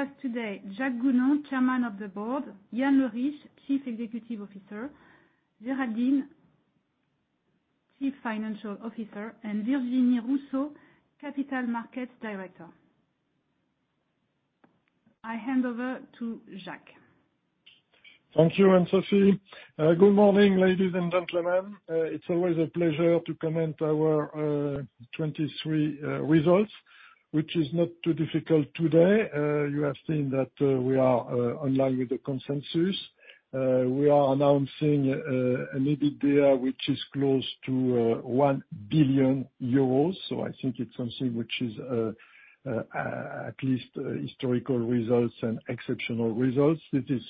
Good morning, everyone. With us today, Jacques Gounon, Chairman of the Board, Yann Leriche, Chief Executive Officer, Géraldine, Chief Financial Officer, and Virginie Rousseau, Capital Markets Director. I hand over to Jacques. Thank you, Anne-Sophie. Good morning, ladies and gentlemen. It's always a pleasure to comment our 2023 results, which is not too difficult today. You have seen that we are in line with the consensus. We are announcing an EBITDA which is close to 1 billion euros, so I think it's something which is at least historical results and exceptional results. This is,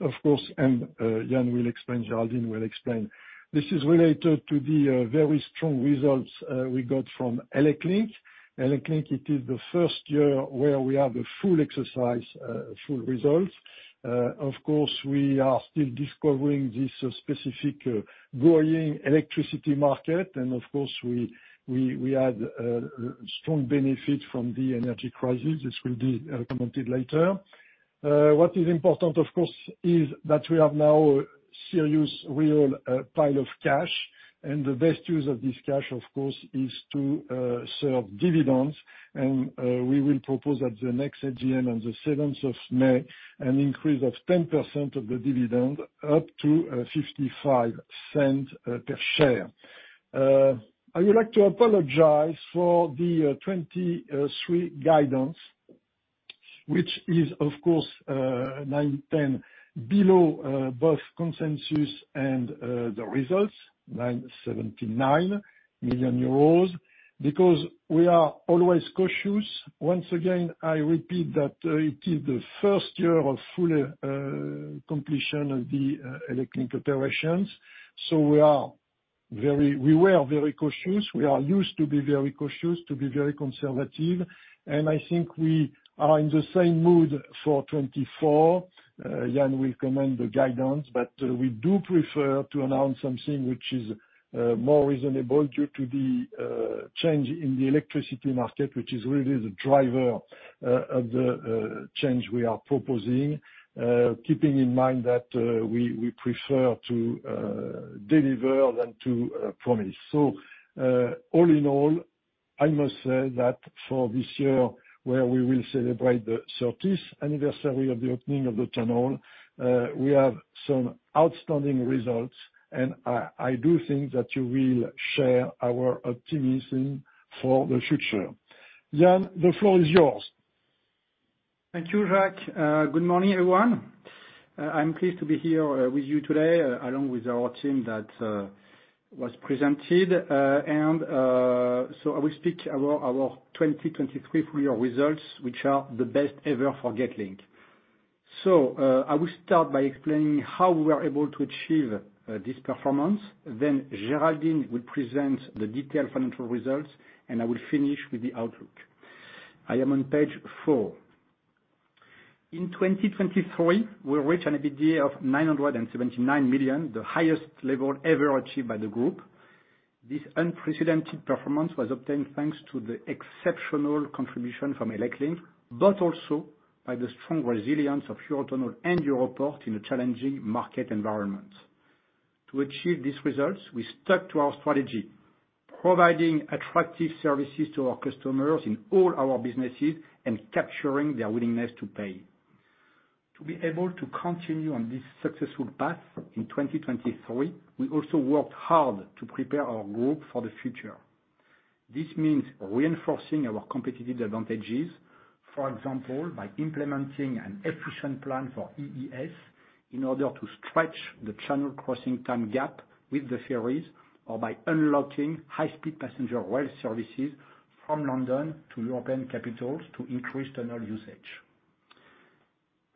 of course, and Yann will explain, Géraldine will explain. This is related to the very strong results we got from ElecLink. ElecLink, it is the first year where we have a full exercise, full results. Of course, we are still discovering this specific growing electricity market, and of course, we had strong benefit from the energy crisis, this will be commented later. What is important, of course, is that we have now serious, real pile of cash, and the best use of this cash, of course, is to serve dividends, and we will propose at the next AGM on the seventh of May an increase of 10% of the dividend, up to 0.55 per share. I would like to apologize for the 2023 guidance, which is, of course, nine-10 below both consensus and the results, 979 million euros, because we are always cautious. Once again, I repeat that it is the first year of full completion of the ElecLink operations, so we are very... We were very cautious. We are used to be very cautious, to be very conservative, and I think we are in the same mood for 2024. Yann will comment the guidance, but, we do prefer to announce something which is, more reasonable due to the, change in the electricity market, which is really the driver, of the, change we are proposing. Keeping in mind that, we, we prefer to, deliver than to, promise. So, all in all, I must say that for this year, where we will celebrate the thirtieth anniversary of the opening of the Channel, we have some outstanding results, and I, I do think that you will share our optimism for the future. Yann, the floor is yours. Thank you, Jacques. Good morning, everyone. I'm pleased to be here with you today, along with our team that was presented. And so I will speak about our 2023 full year results, which are the best ever for Getlink. So I will start by explaining how we are able to achieve this performance. Then Géraldine will present the detailed financial results, and I will finish with the outlook. I am on page four. In 2023, we reached an EBITDA of 979 million, the highest level ever achieved by the group. This unprecedented performance was obtained thanks to the exceptional contribution from ElecLink, but also by the strong resilience of Eurotunnel and Europorte in a challenging market environment. To achieve these results, we stuck to our strategy, providing attractive services to our customers in all our businesses and capturing their willingness to pay. To be able to continue on this successful path in 2023, we also worked hard to prepare our group for the future. This means reinforcing our competitive advantages, for example, by implementing an efficient plan for EES, in order to stretch the channel crossing time gap with the ferries, or by unlocking high-speed passenger rail services from London to European capitals to increase tunnel usage.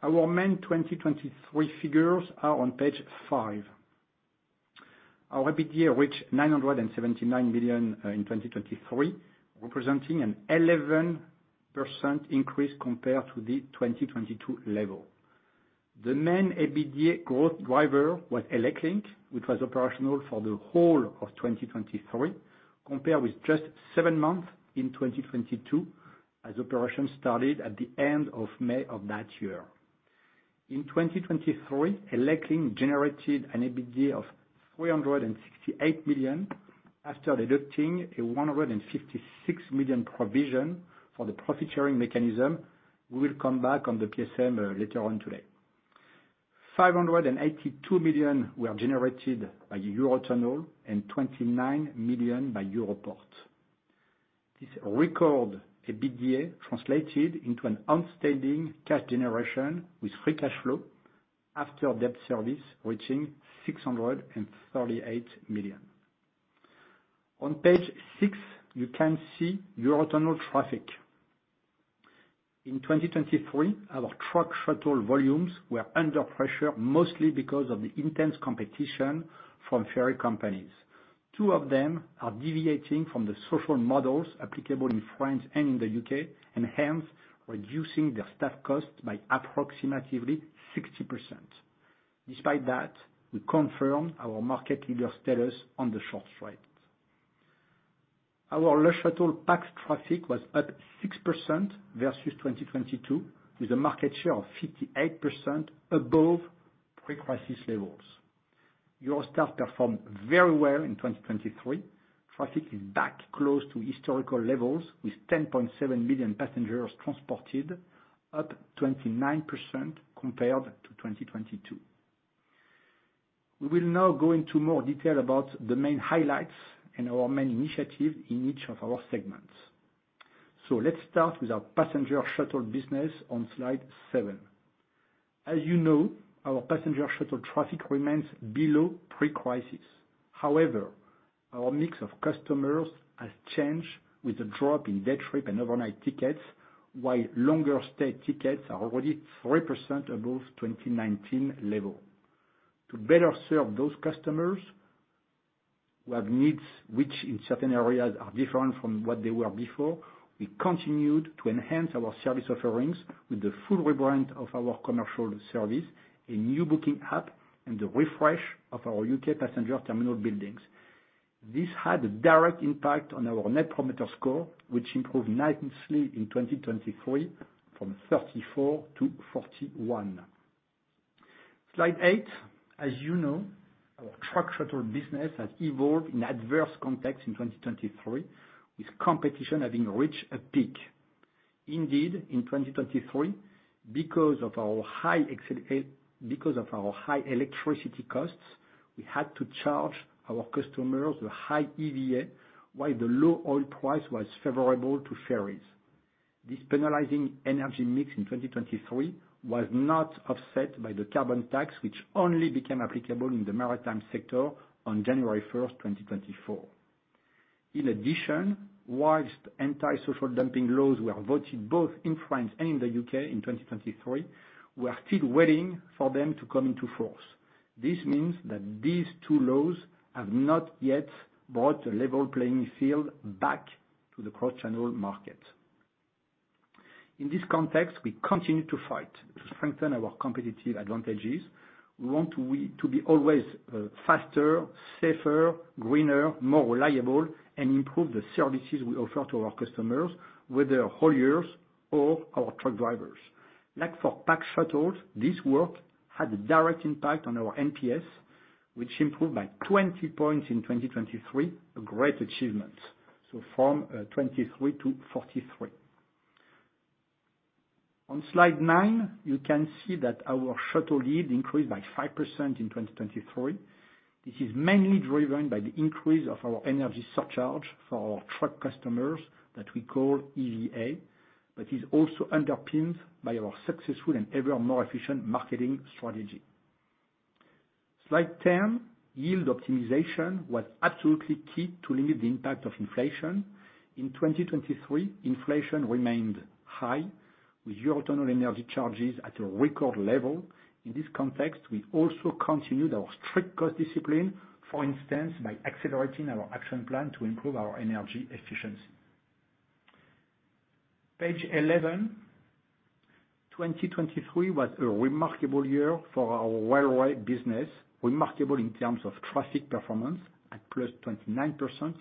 Our main 2023 figures are on page five. Our EBITDA reached 979 million in 2023, representing an 11% increase compared to the 2022 level. The main EBITDA growth driver was ElecLink, which was operational for the whole of 2023, compared with just seven months in 2022, as operations started at the end of May of that year. In 2023, ElecLink generated an EBITDA of 368 million, after deducting a 156 million provision for the profit-sharing mechanism. We will come back on the PSM later on today. 582 million were generated by the Eurotunnel, and 29 million by Europorte. This record EBITDA translated into an outstanding cash generation, with free cash flow after debt service reaching 638 million. On page six, you can see Eurotunnel traffic. In 2023, our truck shuttle volumes were under pressure, mostly because of the intense competition from ferry companies. Two of them are deviating from the social models applicable in France and in the U.K., and hence, reducing their staff costs by approximately 60%. Despite that, we confirm our market leader status on the short freight. Our Le Shuttle Pax traffic was up 6% versus 2022, with a market share of 58% above pre-crisis levels. Eurostar performed very well in 2023. Traffic is back close to historical levels, with 10.7 million passengers transported, up 29% compared to 2022. We will now go into more detail about the main highlights and our main initiatives in each of our segments. So let's start with our passenger shuttle business on slide seven. As you know, our passenger shuttle traffic remains below pre-crisis. However, our mix of customers has changed, with a drop in day trip and overnight tickets, while longer stay tickets are already 3% above 2019 level. To better serve those customers who have needs, which in certain areas are different from what they were before, we continued to enhance our service offerings with the full rebrand of our commercial service, a new booking app, and the refresh of our U.K. passenger terminal buildings. This had a direct impact on our Net Promoter Score, which improved nicely in 2023 from 34 to 41. Slide eight. As you know, our truck shuttle business has evolved in adverse context in 2023, with competition having reached a peak. Indeed, in 2023, because of our high electricity costs, we had to charge our customers a high EVA, while the low oil price was favorable to ferries. This penalizing energy mix in 2023 was not offset by the carbon tax, which only became applicable in the maritime sector on January 1, 2024. In addition, while anti-social dumping laws were voted both in France and in the U.K. in 2023, we are still waiting for them to come into force. This means that these two laws have not yet brought a level playing field back to the cross-Channel market. In this context, we continue to fight to strengthen our competitive advantages. We want to be always faster, safer, greener, more reliable, and improve the services we offer to our customers, whether hauliers or our truck drivers. Like for passenger shuttles, this work had a direct impact on our NPS, which improved by 20 points in 2023, a great achievement, so from 23 to 43. On slide nine, you can see that our shuttle yield increased by 5% in 2023. This is mainly driven by the increase of our energy surcharge for our truck customers, that we call EVA, but is also underpinned by our successful and ever more efficient marketing strategy. Slide 10. Yield optimization was absolutely key to limit the impact of inflation. In 2023, inflation remained high, with Eurotunnel energy charges at a record level. In this context, we also continued our strict cost discipline, for instance, by accelerating our action plan to improve our energy efficiency. Page 11. 2023 was a remarkable year for our railway business. Remarkable in terms of traffic performance at +29%,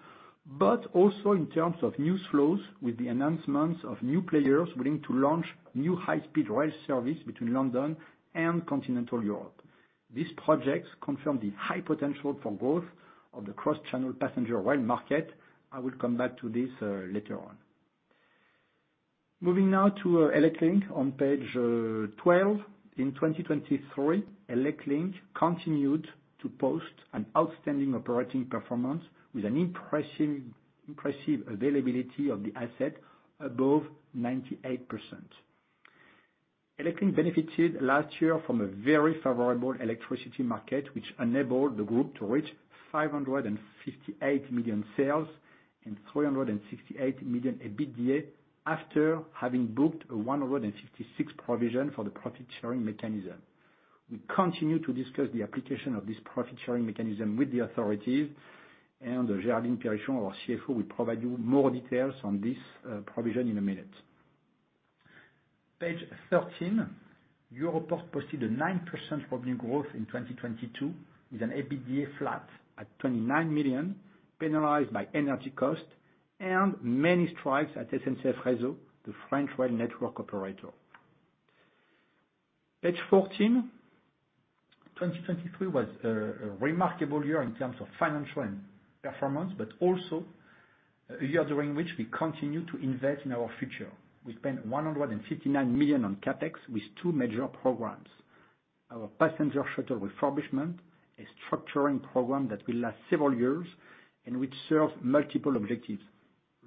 but also in terms of news flows, with the announcements of new players willing to launch new high-speed rail service between London and continental Europe. These projects confirm the high potential for growth of the cross-channel passenger rail market. I will come back to this later on. Moving now to ElecLink on page 12. In 2023, ElecLink continued to post an outstanding operating performance with an impressive availability of the asset, above 98%. ElecLink benefited last year from a very favorable electricity market, which enabled the group to reach 558 million sales and 368 million EBITDA, after having booked a 156 provision for the profit-sharing mechanism. We continue to discuss the application of this profit-sharing mechanism with the authorities, and Géraldine Périchon, our CFO, will provide you more details on this provision in a minute. Page 13. Europorte posted a 9% revenue growth in 2022, with an EBITDA flat at 29 million, penalized by energy costs and many strikes at SNCF Réseau, the French rail network operator. Page 14. 2023 was a remarkable year in terms of financial and performance, but also a year during which we continued to invest in our future. We spent 159 million on CapEx, with two major programs: Our passenger shuttle refurbishment, a structuring program that will last several years and which serves multiple objectives,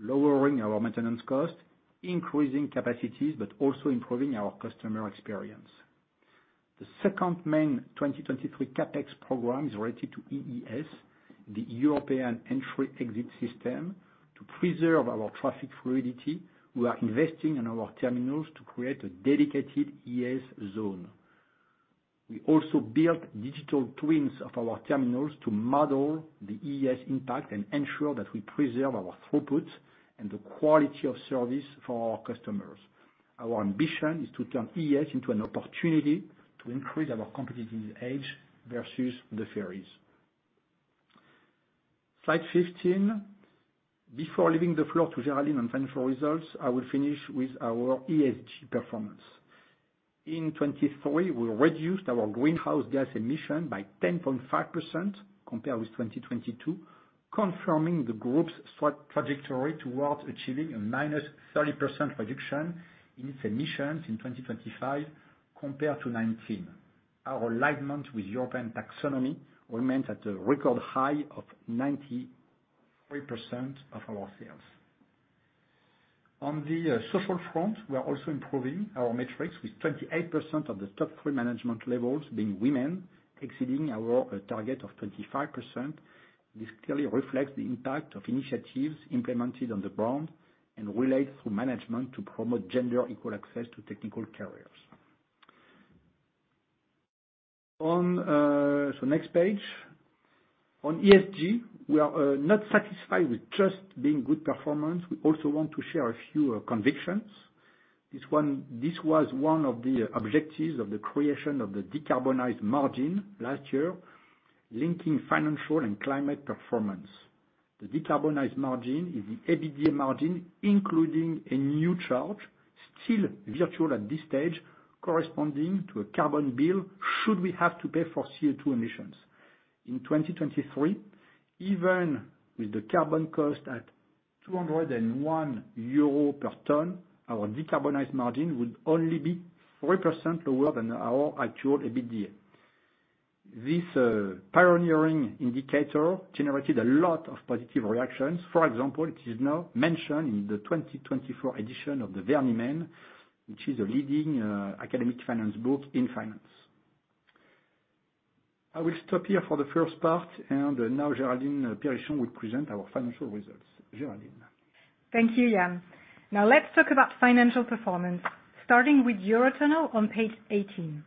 lowering our maintenance costs, increasing capacities, but also improving our customer experience. The second main 2023 CapEx program is related to EES, the European Entry/Exit System. To preserve our traffic fluidity, we are investing in our terminals to create a dedicated EES zone. We also built digital twins of our terminals to model the EES impact and ensure that we preserve our throughput... and the quality of service for our customers. Our ambition is to turn EES into an opportunity to increase our competitive edge versus the ferries. Slide 15. Before leaving the floor to Géraldine on financial results, I will finish with our ESG performance. In 2023, we reduced our greenhouse gas emission by 10.5% compared with 2022, confirming the group's solid trajectory towards achieving a minus 30% reduction in its emissions in 2025 compared to 2019. Our alignment with European taxonomy remains at a record high of 93% of our sales. On the social front, we are also improving our metrics, with 28% of the top three management levels being women, exceeding our target of 25%. This clearly reflects the impact of initiatives implemented on the ground and relates through management to promote gender-equal access to technical careers. On, so next page. On ESG, we are not satisfied with just being good performance. We also want to share a few convictions. This one--this was one of the objectives of the creation of the decarbonized margin last year, linking financial and climate performance. The decarbonized margin is the EBITDA margin, including a new charge, still virtual at this stage, corresponding to a carbon bill, should we have to pay for CO2 emissions. In 2023, even with the carbon cost at 201 euro per ton, our decarbonized margin would only be 3% lower than our actual EBITDA. This pioneering indicator generated a lot of positive reactions. For example, it is now mentioned in the 2024 edition of the Vernimmen, which is a leading academic finance book in finance. I will stop here for the first part, and now Géraldine Périchon will present our financial results. Géraldine? Thank you, Yann. Now let's talk about financial performance, starting with Eurotunnel on page 18.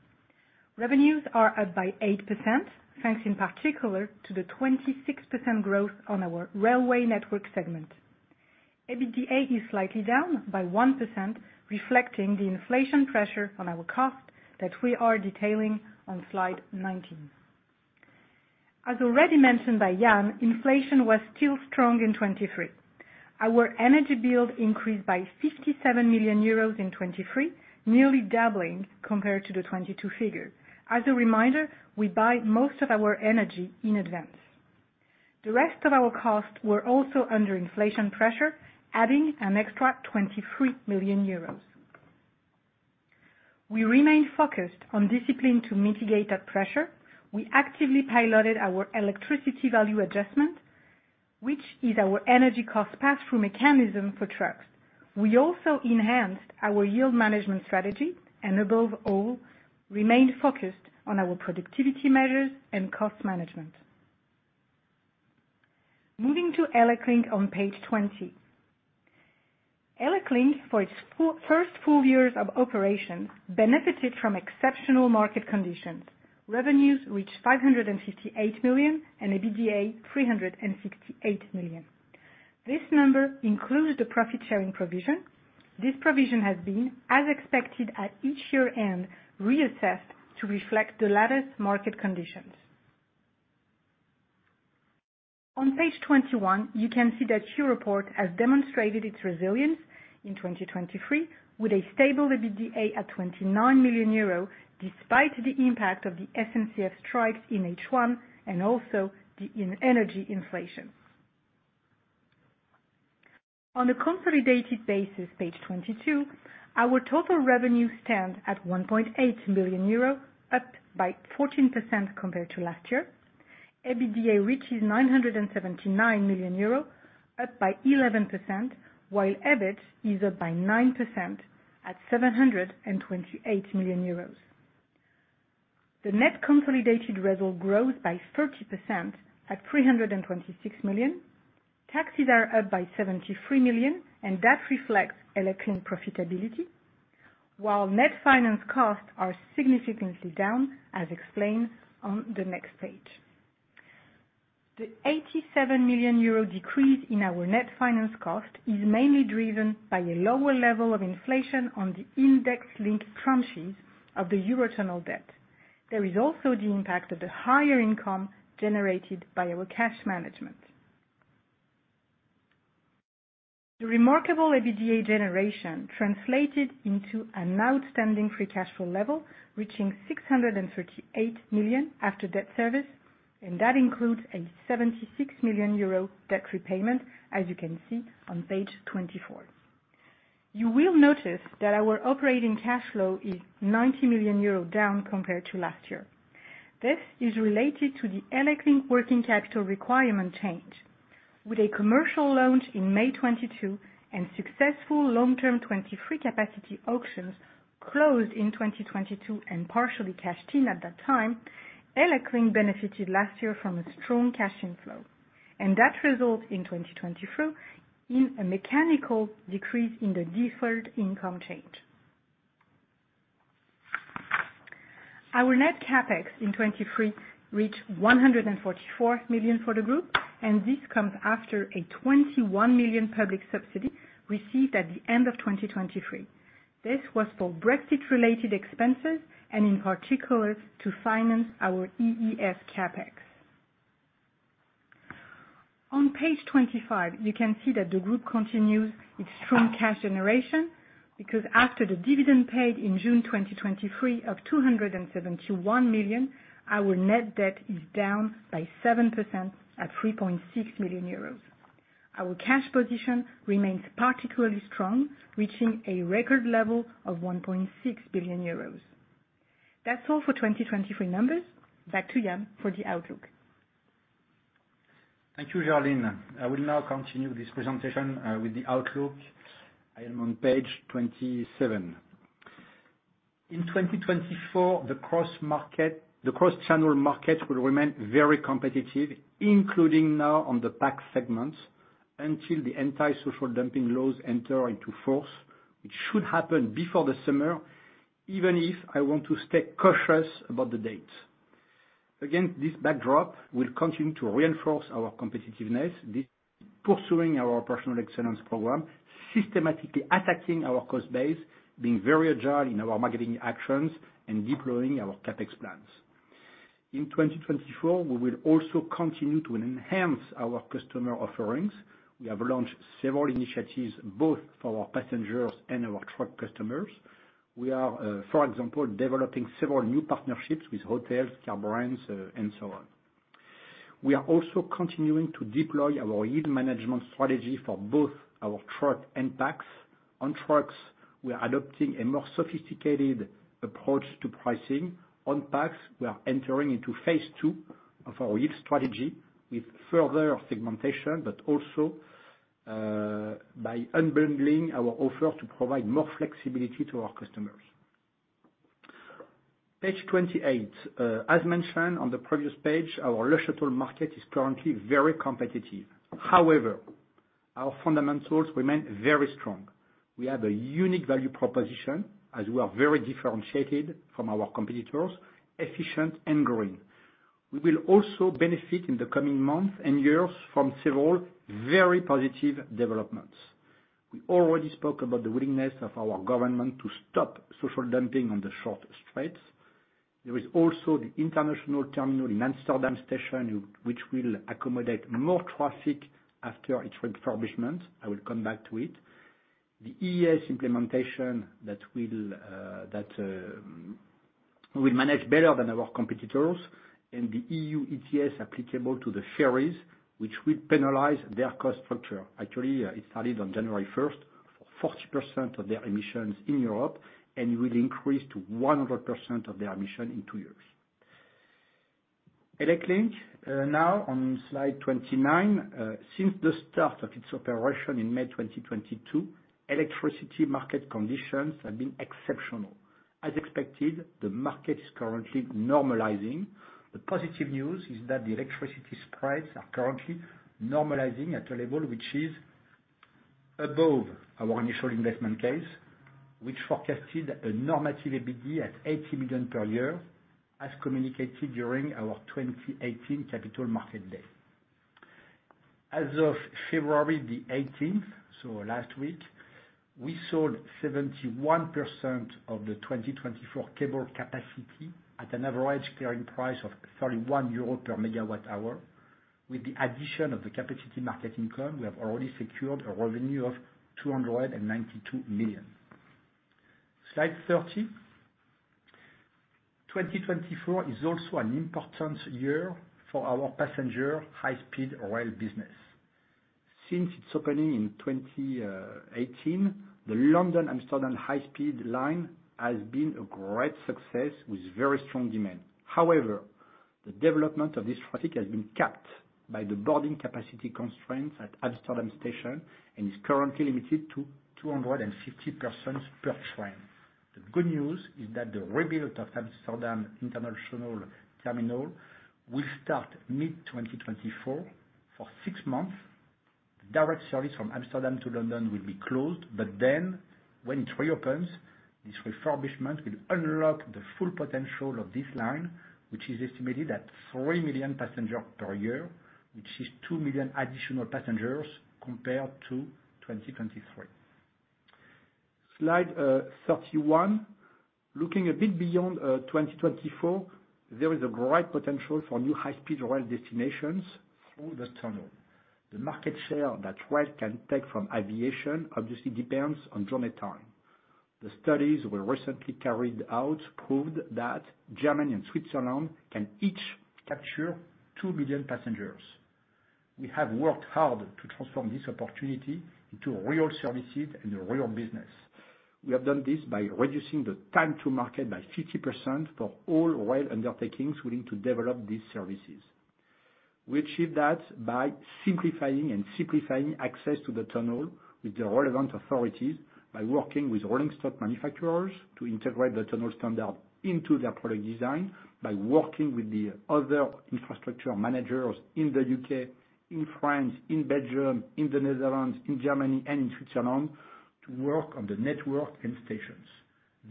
Revenues are up by 8%, thanks in particular to the 26% growth on our railway network segment. EBITDA is slightly down by 1%, reflecting the inflation pressure on our cost that we are detailing on slide 19. As already mentioned by Yann, inflation was still strong in 2023. Our energy bill increased by 57 million euros in 2023, nearly doubling compared to the 2022 figure. As a reminder, we buy most of our energy in advance. The rest of our costs were also under inflation pressure, adding an extra 23 million euros. We remain focused on discipline to mitigate that pressure. We actively piloted our Electricity Value Adjustment, which is our energy cost pass-through mechanism for trucks. We also enhanced our yield management strategy and above all, remained focused on our productivity measures and cost management. Moving to ElecLink on page 20. ElecLink, for its first full year of operation, benefited from exceptional market conditions. Revenues reached 558 million, and EBITDA, 368 million. This number includes the profit-sharing provision. This provision has been, as expected, at each year-end, reassessed to reflect the latest market conditions. On page 21, you can see that Europorte has demonstrated its resilience in 2023, with a stable EBITDA at 29 million euro, despite the impact of the SNCF strikes in H1 and also the energy inflation. On a consolidated basis, page 22, our total revenue stands at 1.8 million euro, up by 14% compared to last year. EBITDA reaches 979 million euro, up by 11%, while EBIT is up by 9% at 728 million euros. The net consolidated result grows by 30% at 326 million. Taxes are up by 73 million, and that reflects ElecLink profitability, while net finance costs are significantly down, as explained on the next page. The 87 million euro decrease in our net finance cost is mainly driven by a lower level of inflation on the index-linked tranches of the Eurotunnel debt. There is also the impact of the higher income generated by our cash management. The remarkable EBITDA generation translated into an outstanding free cash flow level, reaching 638 million after debt service, and that includes a 76 million euro debt repayment, as you can see on page 24. You will notice that our operating cash flow is 90 million euro down compared to last year. This is related to the ElecLink working capital requirement change. With a commercial launch in May 2022 and successful long-term 2023 capacity auctions closed in 2022 and partially cashed in at that time, ElecLink benefited last year from a strong cash inflow, and that result in 2024, in a mechanical decrease in the deferred income change.... Our net CapEx in 2023 reached 144 million for the group, and this comes after a 21 million public subsidy received at the end of 2023. This was for Brexit-related expenses and in particular, to finance our EES CapEx. On page 25, you can see that the group continues its strong cash generation, because after the dividend paid in June 2023 of 271 million, our net debt is down by 7% at 3.6 million euros. Our cash position remains particularly strong, reaching a record level of 1.6 billion euros. That's all for 2023 numbers. Back to Yann for the outlook. Thank you, Géraldine. I will now continue this presentation with the outlook. I am on page 27. In 2024, the cross-market, the cross-Channel market will remain very competitive, including now on the pax segments, until the anti-social dumping laws enter into force, which should happen before the summer, even if I want to stay cautious about the dates. Again, this backdrop will continue to reinforce our competitiveness, this pursuing our operational excellence program, systematically attacking our cost base, being very agile in our marketing actions, and deploying our CapEx plans. In 2024, we will also continue to enhance our customer offerings. We have launched several initiatives, both for our passengers and our truck customers. We are, for example, developing several new partnerships with hotels, car brands, and so on. We are also continuing to deploy our yield management strategy for both our truck and pax. On trucks, we are adopting a more sophisticated approach to pricing. On packs, we are entering into phase two of our yield strategy with further segmentation, but also, by unbundling our offer to provide more flexibility to our customers. Page 28, as mentioned on the previous page, our Le Shuttle market is currently very competitive. However, our fundamentals remain very strong. We have a unique value proposition, as we are very differentiated from our competitors, efficient and green. We will also benefit in the coming months and years from several very positive developments. We already spoke about the willingness of our government to stop social dumping on the short straits. There is also the international terminal in Amsterdam Station, which will accommodate more traffic after its refurbishment. I will come back to it. The EES implementation that we manage better than our competitors, and the E.U. ETS applicable to the ferries, which will penalize their cost structure. Actually, it started on January first, 40% of their emissions in Europe, and will increase to 100% of their emission in two years. ElecLink, now on Slide 29. Since the start of its operation in May 2022, electricity market conditions have been exceptional. As expected, the market is currently normalizing. The positive news is that the electricity spreads are currently normalizing at a level which is above our initial investment case, which forecasted a normative EBITDA at 80 million per year, as communicated during our 2018 capital market day. As of February the eighteenth, so last week, we sold 71% of the 2024 cable capacity at an average carrying price of 31 euros per MWh. With the addition of the capacity market income, we have already secured a revenue of 292 million. Slide 30. 2024 is also an important year for our passenger high-speed rail business. Since its opening in twenty eighteen, the London-Amsterdam high speed line has been a great success with very strong demand. However, the development of this traffic has been capped by the boarding capacity constraints at Amsterdam Station, and is currently limited to 250 persons per train. The good news is that the rebuild of Amsterdam International Terminal will start mid-2024. For six months, the direct service from Amsterdam to London will be closed, but then when it reopens, this refurbishment will unlock the full potential of this line, which is estimated at three million passengers per year, which is two million additional passengers compared to 2023. Slide thirty-one. Looking a bit beyond 2024, there is a great potential for new high-speed rail destinations through the tunnel. The market share that rail can take from aviation obviously depends on journey time. The studies were recently carried out, proved that Germany and Switzerland can each capture two million passengers. We have worked hard to transform this opportunity into real services and a real business. We have done this by reducing the time to market by 50% for all rail undertakings willing to develop these services. We achieve that by simplifying and simplifying access to the tunnel with the relevant authorities, by working with rolling stock manufacturers to integrate the tunnel standard into their product design, by working with the other infrastructure managers in the U.K., in France, in Belgium, in the Netherlands, in Germany, and in Switzerland, to work on the network and stations.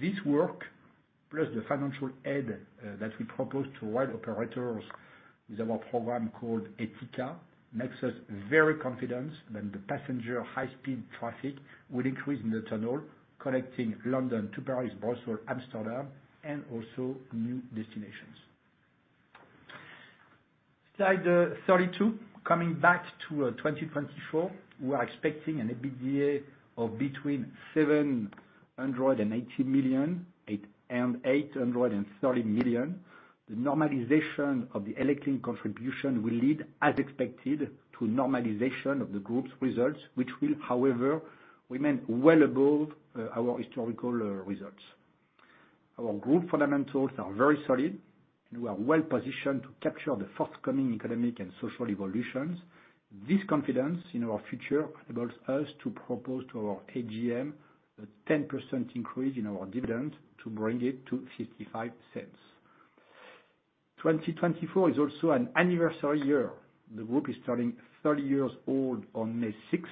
This work, plus the financial aid that we propose to rail operators with our program called ETICA, makes us very confident that the passenger high-speed traffic will increase in the tunnel, connecting London to Paris, Brussels, Amsterdam, and also new destinations. Slide 32. Coming back to 2024, we are expecting an EBITDA of between 780 million and 830 million. The normalization of the electric contribution will lead, as expected, to normalization of the group's results, which will, however, remain well above our historical results. Our group fundamentals are very solid, and we are well positioned to capture the forthcoming economic and social evolutions. This confidence in our future enables us to propose to our AGM a 10% increase in our dividend to bring it to 0.55. 2024 is also an anniversary year. The group is turning 30 years old on May sixth.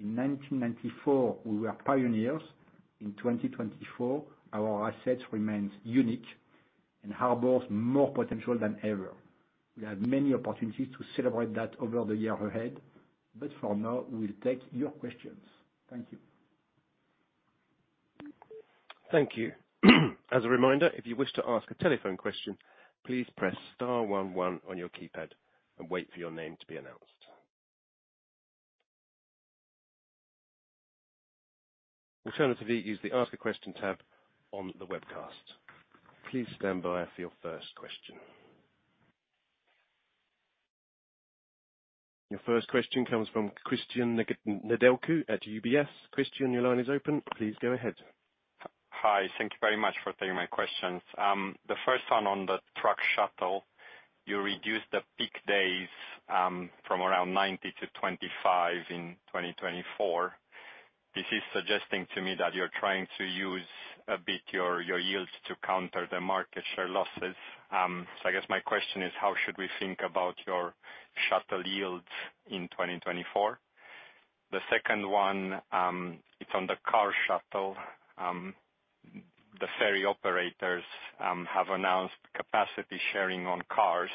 In 1994, we were pioneers. In 2024, our assets remain unique and harbors more potential than ever. We have many opportunities to celebrate that over the year ahead, but for now, we'll take your questions. Thank you. Thank you. As a reminder, if you wish to ask a telephone question, please press star one one on your keypad and wait for your name to be announced. Alternatively, use the Ask a Question tab on the webcast. Please stand by for your first question. Your first question comes from Cristian Nedelcu at UBS. Christian, your line is open. Please go ahead. Hi. Thank you very much for taking my questions. The first one on the truck shuttle, you reduced the peak days from around 90 to 25 in 2024. This is suggesting to me that you're trying to use a bit your, your yields to counter the market share losses. So I guess my question is: How should we think about your shuttle yields in 2024? The second one, it's on the car shuttle. The ferry operators have announced capacity sharing on cars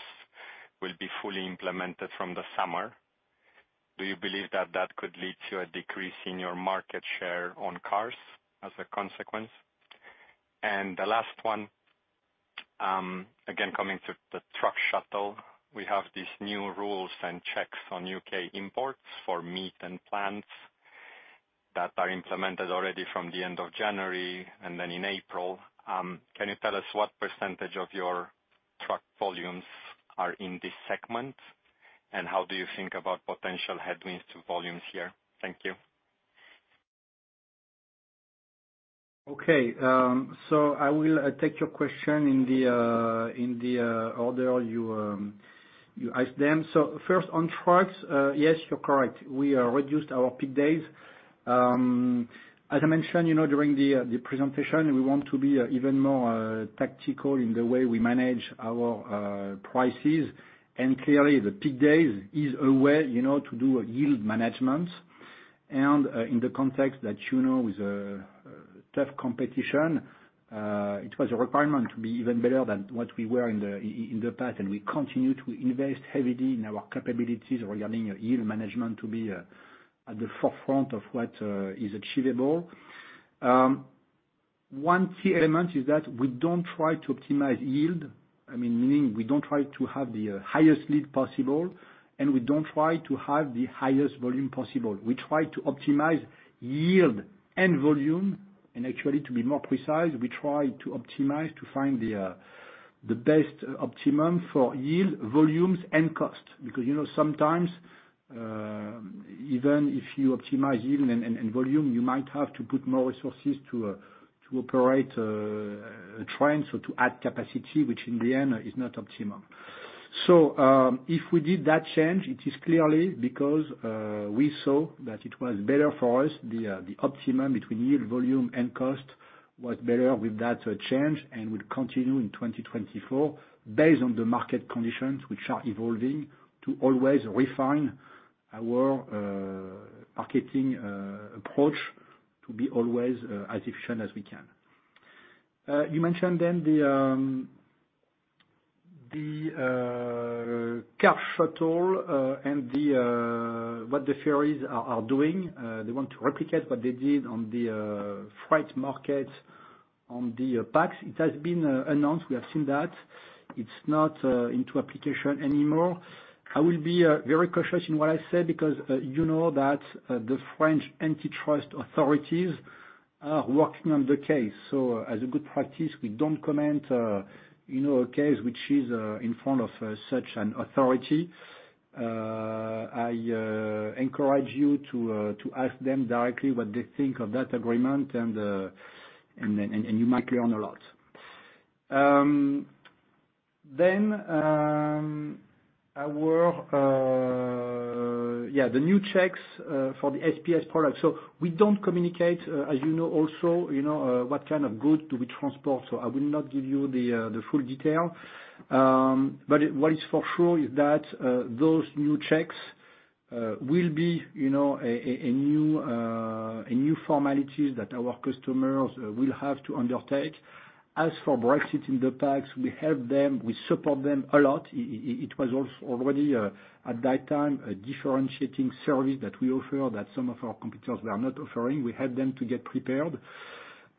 will be fully implemented from the summer. Do you believe that that could lead to a decrease in your market share on cars as a consequence? And the last one, again, coming to the truck shuttle. We have these new rules and checks on U.K. imports for meat and plants that are implemented already from the end of January and then in April. Can you tell us what percentage of your truck volumes are in this segment? And how do you think about potential headwinds to volumes here? Thank you. Okay, so I will take your question in the order you asked them. So first on trucks, yes, you're correct. We reduced our peak days. As I mentioned, you know, during the presentation, we want to be even more tactical in the way we manage our prices. And clearly, the peak days is a way, you know, to do a yield management. And in the context that, you know, is tough competition, it was a requirement to be even better than what we were in the past, and we continue to invest heavily in our capabilities regarding yield management, to be at the forefront of what is achievable. One key element is that we don't try to optimize yield. I mean, meaning we don't try to have the, highest yield possible, and we don't try to have the highest volume possible. We try to optimize yield and volume, and actually, to be more precise, we try to optimize to find the, the best optimum for yield, volumes, and cost. Because, you know, sometimes, even if you optimize yield and, and volume, you might have to put more resources to, to operate, a train, so to add capacity, which in the end is not optimum. So, if we did that change, it is clearly because, we saw that it was better for us. The optimum between yield, volume, and cost was better with that change, and will continue in 2024, based on the market conditions which are evolving, to always refine our marketing approach to be always as efficient as we can. You mentioned then the car shuttle and what the ferries are doing. They want to replicate what they did on the freight market, on the packs. It has been announced. We have seen that. It's not into application anymore. I will be very cautious in what I say, because you know that the French antitrust authorities are working on the case. So as a good practice, we don't comment you know a case which is in front of such an authority. I encourage you to ask them directly what they think of that agreement, and you might learn a lot. Then, yeah, the new checks for the SPS products. So we don't communicate, as you know, also, you know, what kind of goods do we transport, so I will not give you the full detail. But what is for sure is that those new checks will be, you know, a new formalities that our customers will have to undertake. As for Brexit in the packs, we help them, we support them a lot. It was also already, at that time, a differentiating service that we offer that some of our competitors were not offering. We help them to get prepared.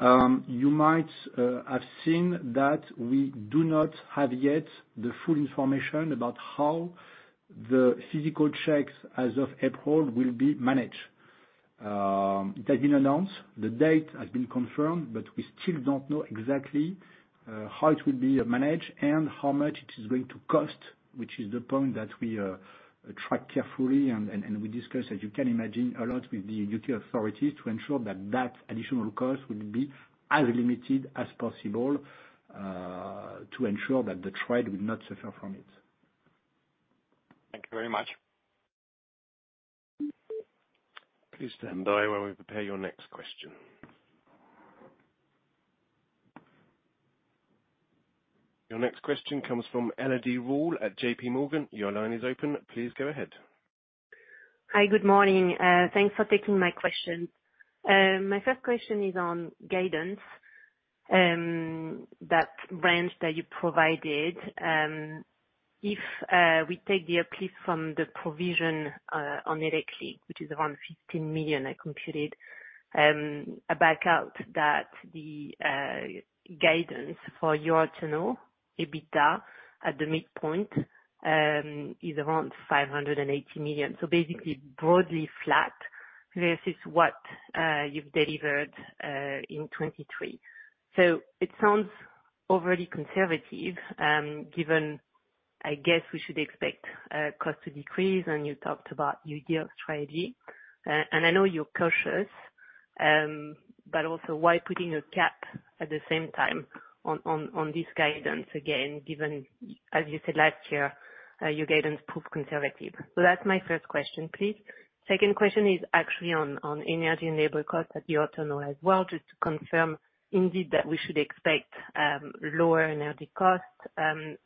You might have seen that we do not have yet the full information about how the physical checks as of April will be managed. It has been announced, the date has been confirmed, but we still don't know exactly how it will be managed and how much it is going to cost, which is the point that we track carefully. And we discuss, as you can imagine, a lot with the U.K. authorities to ensure that additional cost will be as limited as possible, to ensure that the trade will not suffer from it. Thank you very much. Please stand by while we prepare your next question. Your next question comes from Elodie Rall at J.P. Morgan. Your line is open, please go ahead. Hi, good morning. Thanks for taking my question. My first question is on guidance. That range that you provided, if we take the uplift from the provision on ElecLink, which is around 15 million, I computed a back out that the guidance for your internal EBITDA at the midpoint is around 580 million. So basically, broadly flat versus what you've delivered in 2023. So it sounds overly conservative, given, I guess we should expect cost to decrease, and you talked about new year strategy. And I know you're cautious, but also why putting a cap at the same time on this guidance again, given, as you said last year, your guidance proved conservative. So that's my first question, please. Second question is actually on energy and labor costs that you ought to know as well, just to confirm indeed that we should expect lower energy costs, and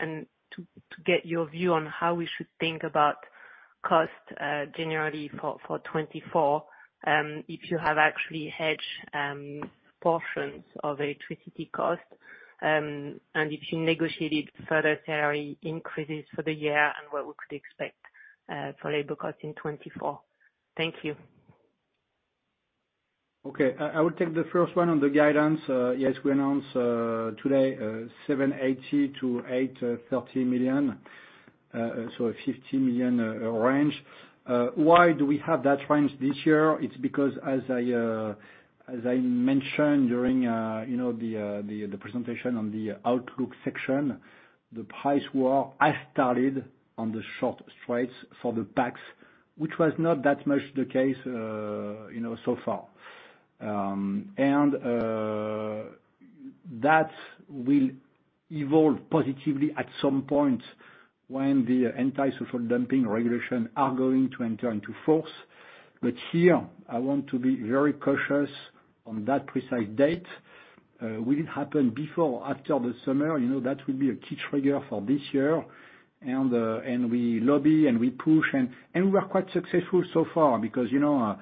to get your view on how we should think about costs generally for 2024. If you have actually hedged portions of electricity costs, and if you negotiated further tariff increases for the year and what we could expect for labor costs in 2024. Thank you. Okay. I will take the first one on the guidance. Yes, we announced today 780 million-830 million, so a 50 million range. Why do we have that range this year? It's because as I mentioned during you know the presentation on the outlook section, the price war has started on the short straits for the packs, which was not that much the case you know so far. And that will evolve positively at some point when the anti-social dumping regulation are going to enter into force. But here, I want to be very cautious on that precise date. Will it happen before or after the summer? You know, that will be a key trigger for this year. We lobby and we push, and we are quite successful so far, because, you know,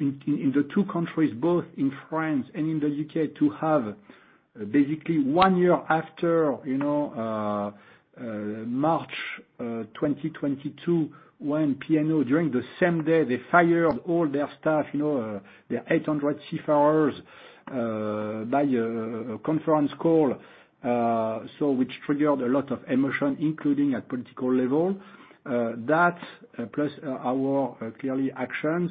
in the two countries, both in France and in the U.K., to have basically one year after, you know, March 2022, when P&O, during the same day, they fired all their staff, you know, the 800 seafarers, by a conference call. So, which triggered a lot of emotion, including at political level. That, plus our clear actions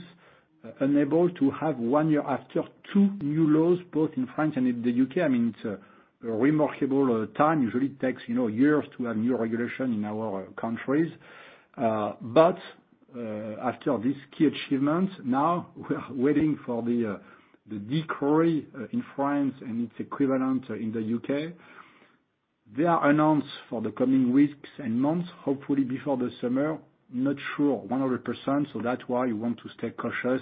enabled to have one year after two new laws, both in France and in the U.K. I mean, it's a remarkable time. Usually it takes, you know, years to have new regulation in our countries. But, after this key achievement, now we are waiting for the decree in France and its equivalent in the U.K. They are announced for the coming weeks and months, hopefully before the summer, not sure 100%, so that's why you want to stay cautious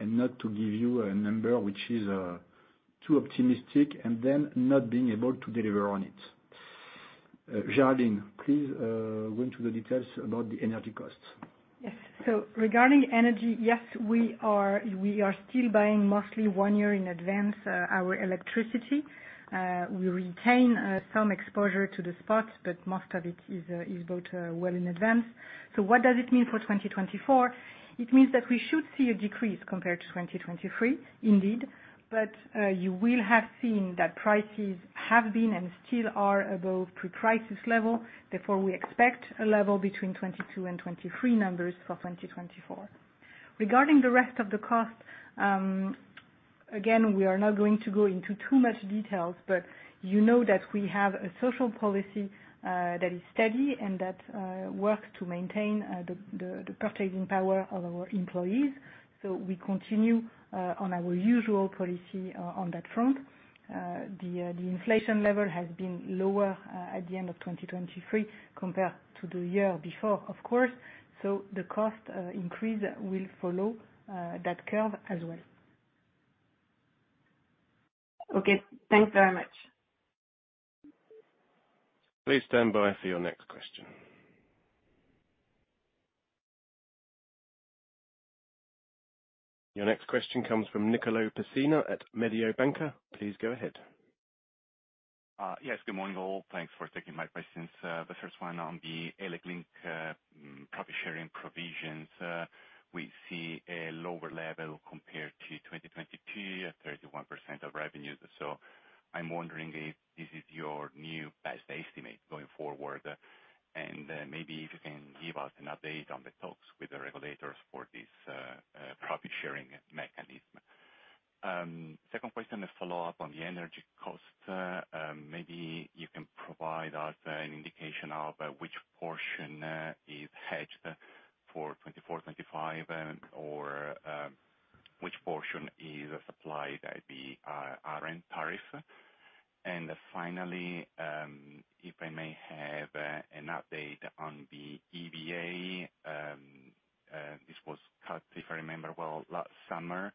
and not to give you a number which is, too optimistic and then not being able to deliver on it. Géraldine, please, go into the details about the energy costs. Yes. So regarding energy, yes, we are still buying mostly one year in advance our electricity. We retain some exposure to the spots, but most of it is bought well in advance. So what does it mean for 2024? It means that we should see a decrease compared to 2023, indeed, but you will have seen that prices have been, and still are above pre-crisis level. Therefore, we expect a level between 2022 and 2023 numbers for 2024. Regarding the rest of the cost, again, we are not going to go into too much details, but you know that we have a social policy that is steady and that works to maintain the purchasing power of our employees. So we continue on our usual policy on that front. The inflation level has been lower at the end of 2023 compared to the year before, of course, so the cost increase will follow that curve as well. ... Okay, thanks very much. Please stand by for your next question. Your next question comes from Nicolò Pessina at Mediobanca. Please go ahead. Yes, good morning, all. Thanks for taking my questions. The first one on the ElecLink, profit sharing provisions. We see a lower level compared to 2022, at 31% of revenues. So I'm wondering if this is your new best estimate going forward, and maybe if you can give us an update on the talks with the regulators for this profit sharing mechanism. Second question is follow up on the energy cost. Maybe you can provide us an indication of which portion is hedged for 2024, 2025, or which portion is supplied at the ARENH tariff. And finally, if I may have an update on the EVA, this was cut, if I remember well, last summer,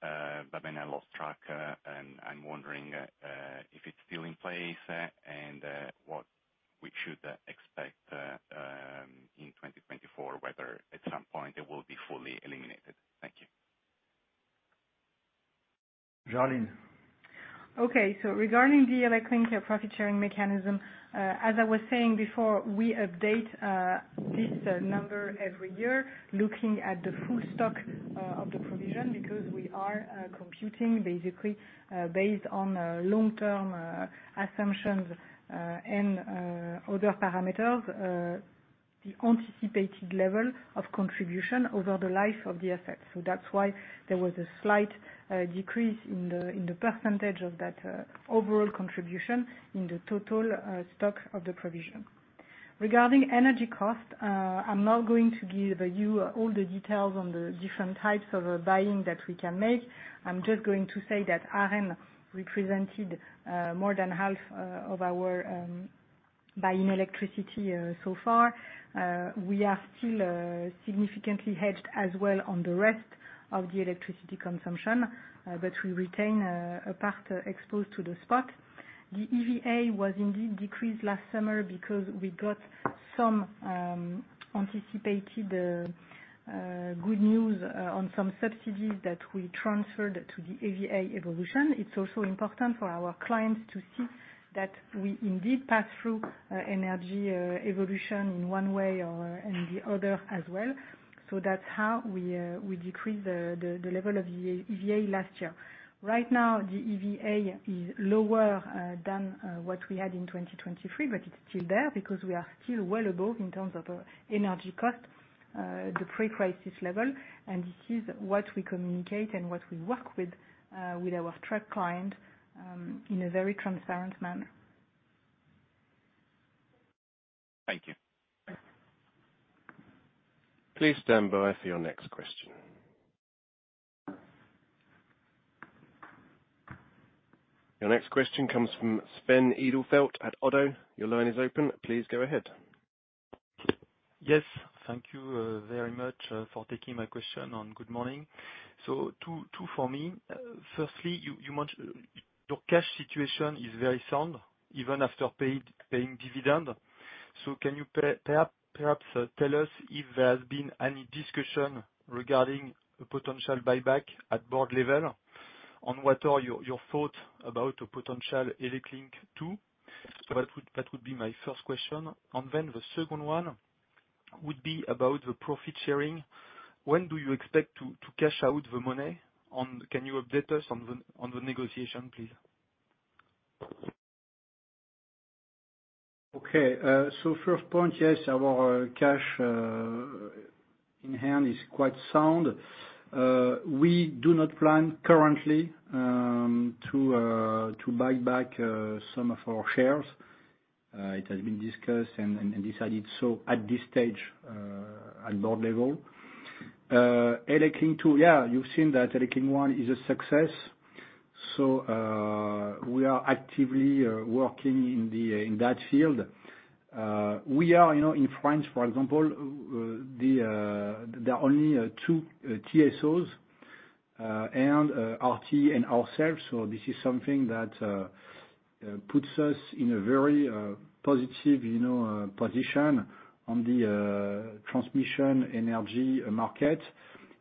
but then I lost track, and I'm wondering if it's still in place, and what we should expect in 2024, whether at some point it will be fully eliminated. Thank you. Géraldine? Okay. So regarding the ElecLink profit-sharing mechanism, as I was saying before, we update this number every year, looking at the full stock of the provision, because we are computing basically based on long-term assumptions and other parameters the anticipated level of contribution over the life of the asset. So that's why there was a slight decrease in the percentage of that overall contribution in the total stock of the provision. Regarding energy cost, I'm not going to give you all the details on the different types of buying that we can make. I'm just going to say that ARENH represented more than half of our buying electricity so far. We are still significantly hedged as well on the rest of the electricity consumption, but we retain a part exposed to the spot. The EVA was indeed decreased last summer because we got some anticipated good news on some subsidies that we transferred to the EVA evolution. It's also important for our clients to see that we indeed pass through energy evolution in one way or in the other as well. So that's how we decreased the level of EVA last year. Right now, the EVA is lower than what we had in 2023, but it's still there because we are still well above in terms of energy cost the pre-crisis level. This is what we communicate and what we work with, with our track client, in a very transparent manner. Thank you. Please stand by for your next question. Your next question comes from Sven Edelfelt at Oddo. Your line is open. Please go ahead. Yes, thank you very much for taking my question, and good morning. So two for me. Firstly, you mention your cash situation is very sound, even after paying dividend. So can you perhaps tell us if there has been any discussion regarding a potential buyback at board level, on what are your thoughts about a potential ElecLink two? So that would be my first question. And then the second one would be about the profit sharing. When do you expect to cash out the money, and can you update us on the negotiation, please? Okay. So first point, yes, our cash in hand is quite sound. We do not plan currently to buy back some of our shares. It has been discussed and decided so at this stage at board level. ElecLink two, yeah, you've seen that ElecLink one is a success, so we are actively working in that field. We are, you know, in France, for example, there are only two TSOs and RTE and ourselves, so this is something that puts us in a very positive, you know, position on the transmission energy market.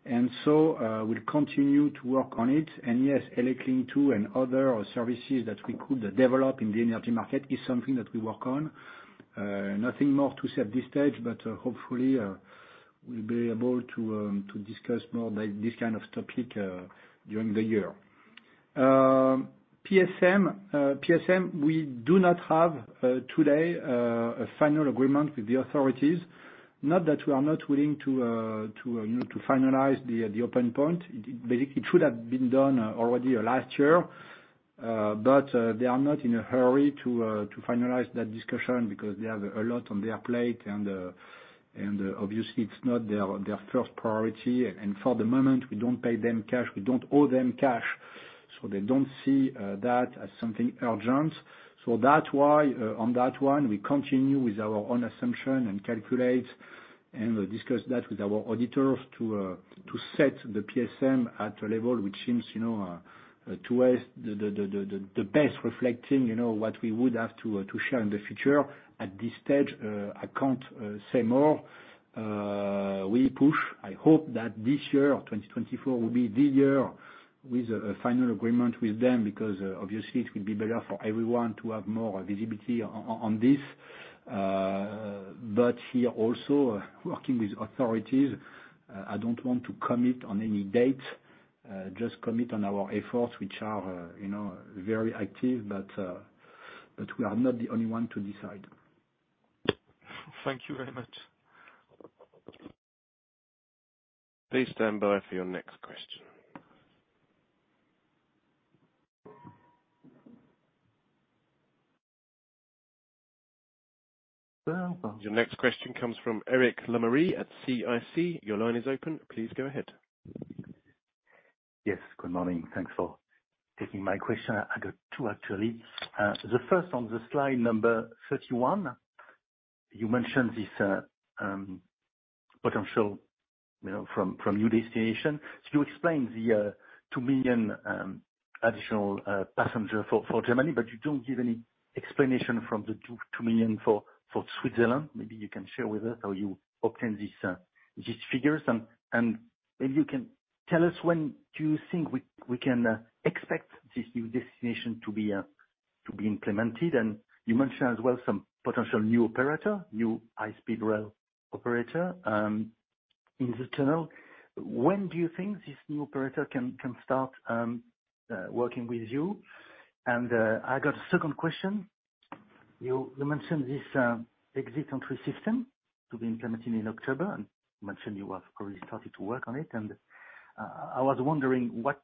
And so we'll continue to work on it. And yes, ElecLink two and other services that we could develop in the energy market is something that we work on. Nothing more to say at this stage, but hopefully, we'll be able to discuss more about this kind of topic during the year. PSM, PSM, we do not have today a final agreement with the authorities. Not that we are not willing to, you know, to finalize the open point. Basically, it should have been done already last year, but they are not in a hurry to finalize that discussion because they have a lot on their plate, and obviously it's not their first priority. For the moment, we don't pay them cash. We don't owe them cash, so they don't see that as something urgent. So that's why, on that one, we continue with our own assumption and calculate, and we discuss that with our auditors to set the PSM at a level which seems, you know, to us, the best reflecting, you know, what we would have to to share in the future. At this stage, I can't say more. We push. I hope that this year, 2024, will be the year with a final agreement with them, because, obviously it will be better for everyone to have more visibility on this. But here also, working with authorities, I don't want to commit on any date, just commit on our efforts, which are, you know, very active, but we are not the only one to decide. Thank you very much. Please stand by for your next question. Your next question comes from Eric Lemarié at CIC. Your line is open, please go ahead. Yes, good morning. Thanks for taking my question. I got two, actually. The first, on the slide number 31, you mentioned this potential, you know, from your destination. So you explain the two million additional passenger for Germany, but you don't give any explanation from the two million for Switzerland. Maybe you can share with us how you obtain these figures. And maybe you can tell us when do you think we can expect this new destination to be implemented? And you mentioned as well, some potential new operator, new high-speed rail operator in the tunnel. When do you think this new operator can start working with you? And I got a second question. You mentioned this entry/exit system to be implemented in October, and you mentioned you have already started to work on it, and I was wondering what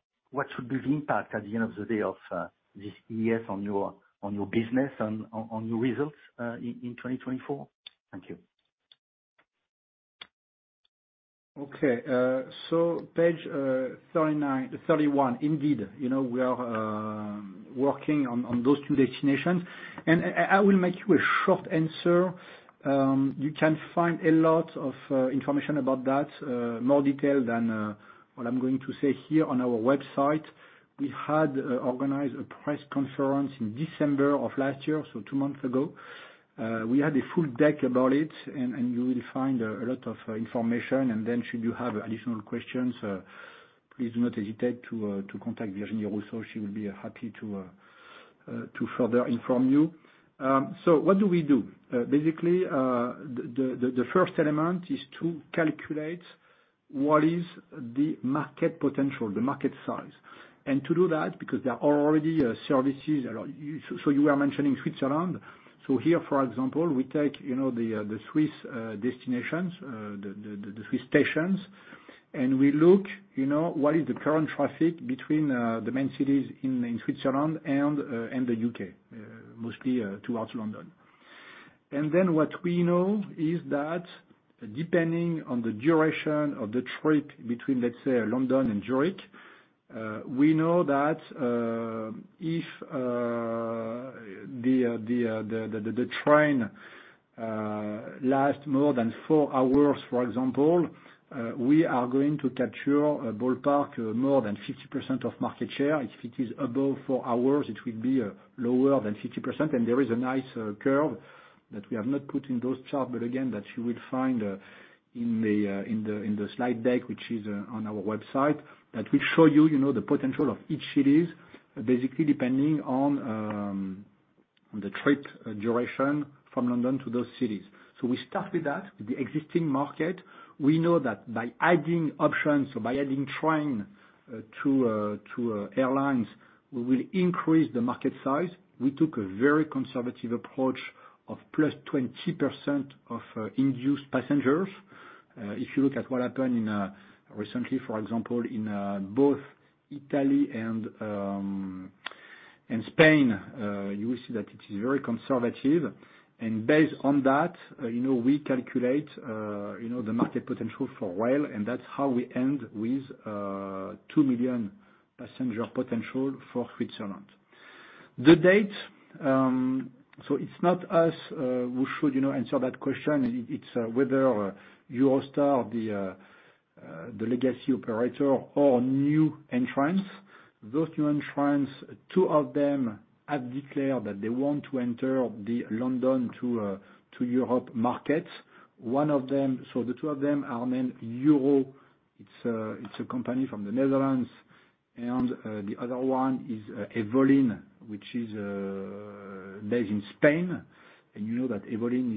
should be the impact at the end of the day of this EES on your business and on your results in 2024? Thank you. Okay. So page 39-31, indeed, you know, we are working on those two destinations. And I will make you a short answer. You can find a lot of information about that, more detail than what I'm going to say here on our website. We had organized a press conference in December of last year, so two months ago. We had a full deck about it, and you will find a lot of information. And then, should you have additional questions, please do not hesitate to contact Virginie Rousseau, she will be happy to further inform you. So what do we do? Basically, the first element is to calculate what is the market potential, the market size. To do that, because there are already services, so you were mentioning Switzerland. So here, for example, we take, you know, the Swiss destinations, the Swiss stations, and we look, you know, what is the current traffic between the main cities in Switzerland and the U.K., mostly towards London. And then what we know is that depending on the duration of the trip between, let's say, London and Zurich, we know that if the train lasts more than 4 hours, for example, we are going to capture a ballpark more than 50% of market share. If it is above four hours, it will be lower than 50%. There is a nice curve that we have not put in those charts, but again, that you will find in the slide deck, which is on our website, that will show you, you know, the potential of each city's, basically, depending on the trip duration from London to those cities. We start with that, with the existing market. We know that by adding options or by adding train to airlines, we will increase the market size. We took a very conservative approach of plus 20% of induced passengers. If you look at what happened recently, for example, in both Italy and Spain, you will see that it is very conservative. And based on that, you know, we calculate, you know, the market potential for rail, and that's how we end with two million passenger potential for Switzerland. The date, so it's not us who should, you know, answer that question. It's whether Eurostar, the legacy operator or new entrants. Those new entrants, two of them have declared that they want to enter the London to Europe market. One of them- so the two of them are named Heuro. It's a company from the Netherlands, and the other one is Evolyn, which is based in Spain. And you know that Evolyn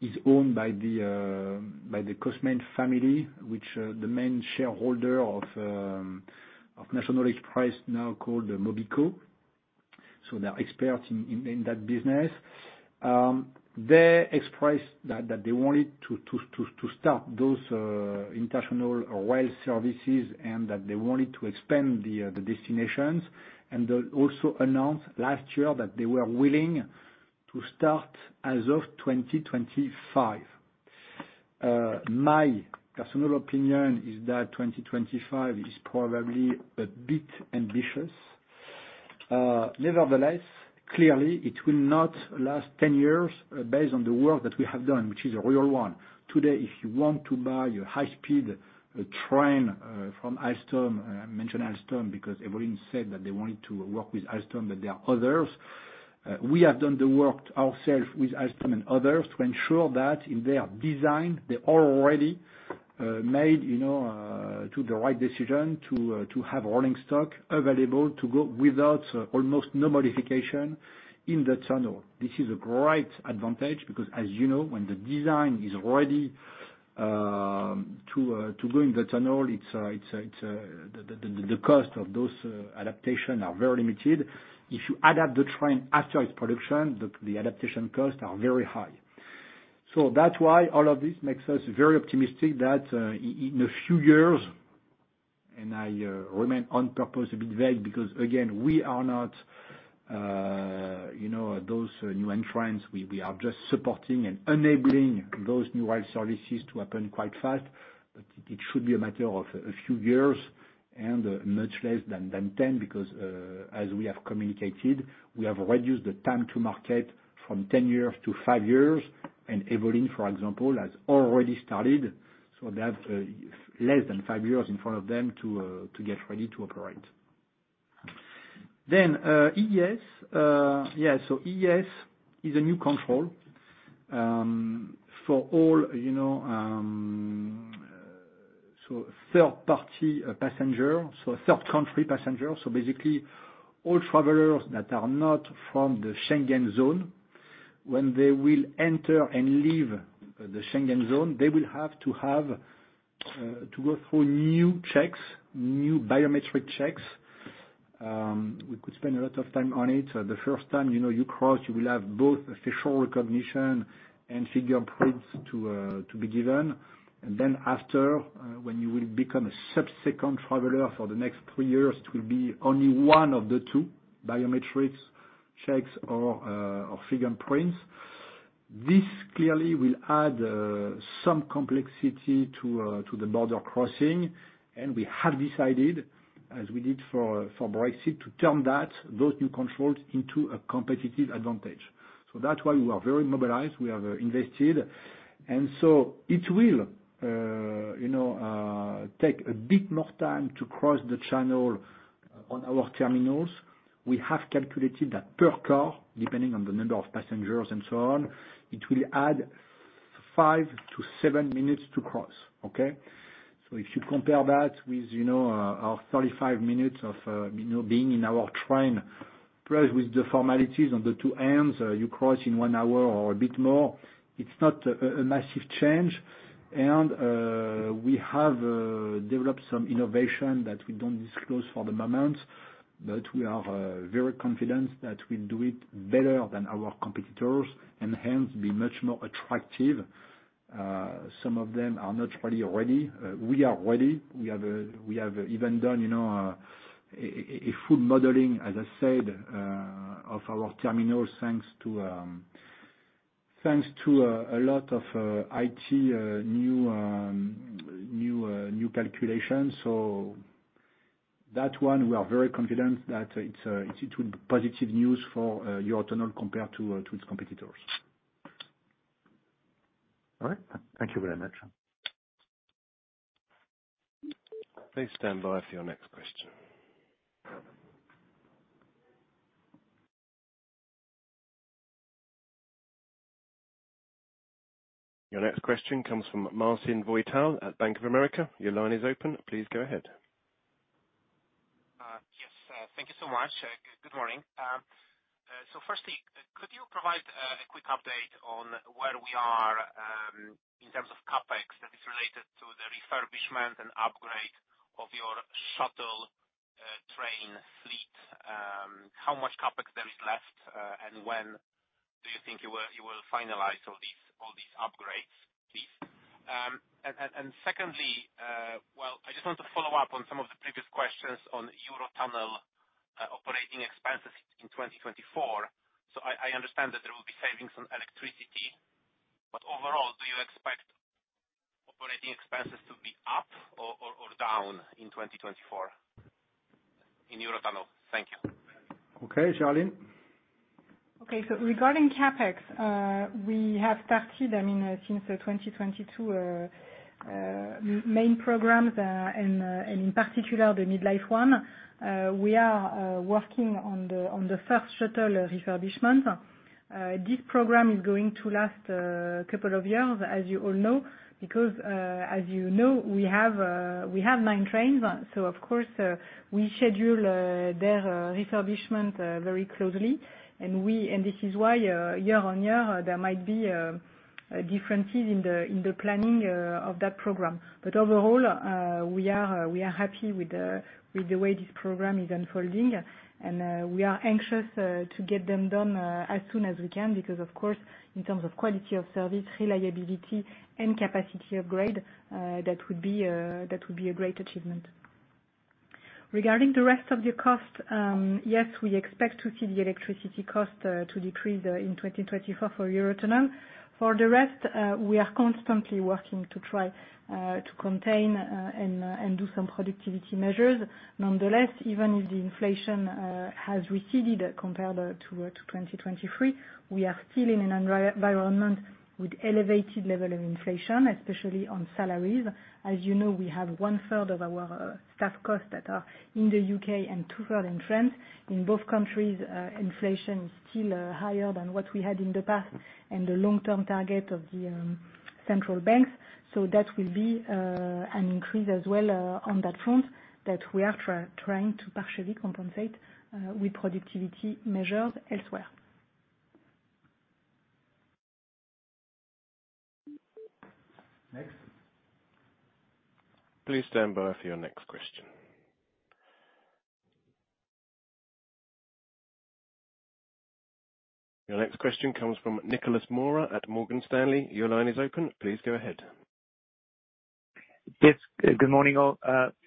is owned by the Cosmen family, which the main shareholder of National Express, now called Mobico. So they're experts in that business. They expressed that they wanted to start those international rail services, and that they wanted to expand the destinations. They also announced last year that they were willing to start as of 2025. My personal opinion is that 2025 is probably a bit ambitious. Nevertheless, clearly, it will not last 10 years, based on the work that we have done, which is a real one. Today, if you want to buy your high-speed train from Alstom, I mention Alstom because Evolyn said that they wanted to work with Alstom, but there are others. We have done the work ourself with Alstom and others to ensure that in their design, they already made, you know, to the right decision to have rolling stock available to go without almost no modification in the tunnel. This is a great advantage because as you know, when the design is ready to go in the tunnel, it's the cost of those adaptation are very limited. If you add up the train after its production, the adaptation costs are very high. So that's why all of this makes us very optimistic that in a few years, and I remain on purpose a bit vague, because again, we are not, you know, those new entrants. We are just supporting and enabling those new rail services to happen quite fast. But it should be a matter of a few years and much less than 10, because as we have communicated, we have reduced the time to market from 10 years to five years. And Evolyn, for example, has already started, so they have less than five years in front of them to get ready to operate. Then EES. Yeah, so EES is a new control for all, you know, so third party passenger, so third country passenger. So basically, all travelers that are not from the Schengen zone, when they will enter and leave the Schengen zone, they will have to have to go through new checks, new biometric checks. We could spend a lot of time on it. The first time, you know, you cross, you will have both facial recognition and fingerprints to, to be given. And then after, when you will become a subsequent traveler for the next three years, it will be only one of the two biometrics checks or, or fingerprints. This clearly will add, some complexity to, to the border crossing, and we have decided, as we did for, for Brexit, to turn that, those new controls into a competitive advantage. So that's why we are very mobilized, we have invested. And so it will, you know, take a bit more time to cross the channel on our terminals. We have calculated that per car, depending on the number of passengers and so on, it will add five-seven minutes to cross, okay? So if you compare that with, you know, our 35 minutes of, you know, being in our train, plus with the formalities on the two ends, you cross in one hour or a bit more. It's not a massive change. We have developed some innovation that we don't disclose for the moment, but we are very confident that we do it better than our competitors, and hence, be much more attractive. Some of them are not fully ready. We are ready. We have even done, you know, a full modeling, as I said, of our terminals, thanks to a lot of IT new calculations. So that one, we are very confident that it's, it's positive news for Eurotunnel compared to, to its competitors. All right. Thank you very much. Please stand by for your next question. Your next question comes from Marcin Wojtal at Bank of America. Your line is open. Please go ahead. Yes, thank you so much. Good morning. So firstly, could you provide a quick update on where we are in terms of CapEx that is related to the refurbishment and upgrade of your shuttle train fleet? How much CapEx there is left, and when do you think you will finalize all these upgrades, please? And secondly, well, I just want to follow up on some of the previous questions on Eurotunnel operating expenses in 2024. So I understand that there will be savings on electricity, but overall, do you expect operating expenses to be up or down in 2024 in Eurotunnel? Thank you. Okay, Géraldine? Okay. So regarding CapEx, we have started, I mean, since the 2022 main programs, and in particular, the midlife one. We are working on the first shuttle refurbishment. This program is going to last a couple of years, as you all know, because, as you know, we have nine trains. So of course, we schedule their refurbishment very closely. And this is why, year on year, there might be differences in the planning of that program. But overall, we are happy with the way this program is unfolding. We are anxious to get them done as soon as we can, because of course, in terms of quality of service, reliability and capacity upgrade, that would be a great achievement. ... Regarding the rest of the cost, yes, we expect to see the electricity cost to decrease in 2024 for Eurotunnel. For the rest, we are constantly working to try to contain and do some productivity measures. Nonetheless, even if the inflation has receded compared to 2023, we are still in an environment with elevated level of inflation, especially on salaries. As you know, we have 1/3 of our staff costs that are in the U.K. and 2/3 in France. In both countries, inflation is still higher than what we had in the past, and the long-term target of the central banks. So that will be an increase as well on that front that we are trying to partially compensate with productivity measures elsewhere. Next. Please stand by for your next question. Your next question comes from Nicolas Mora at Morgan Stanley. Your line is open, please go ahead. Yes, good morning, all.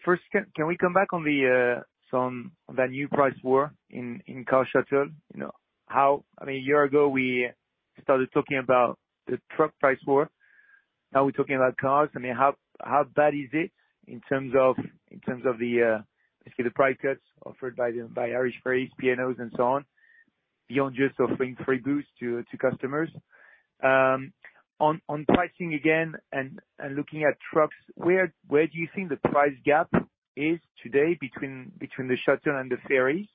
First, can we come back on the new price war in car shuttle? You know, how—I mean, a year ago, we started talking about the truck price war. Now we're talking about cars. I mean, how bad is it in terms of the price cuts offered by Irish Ferries, P&O, and so on, beyond just offering free booze to customers? On pricing again, and looking at trucks, where do you think the price gap is today, between the shuttle and the ferry?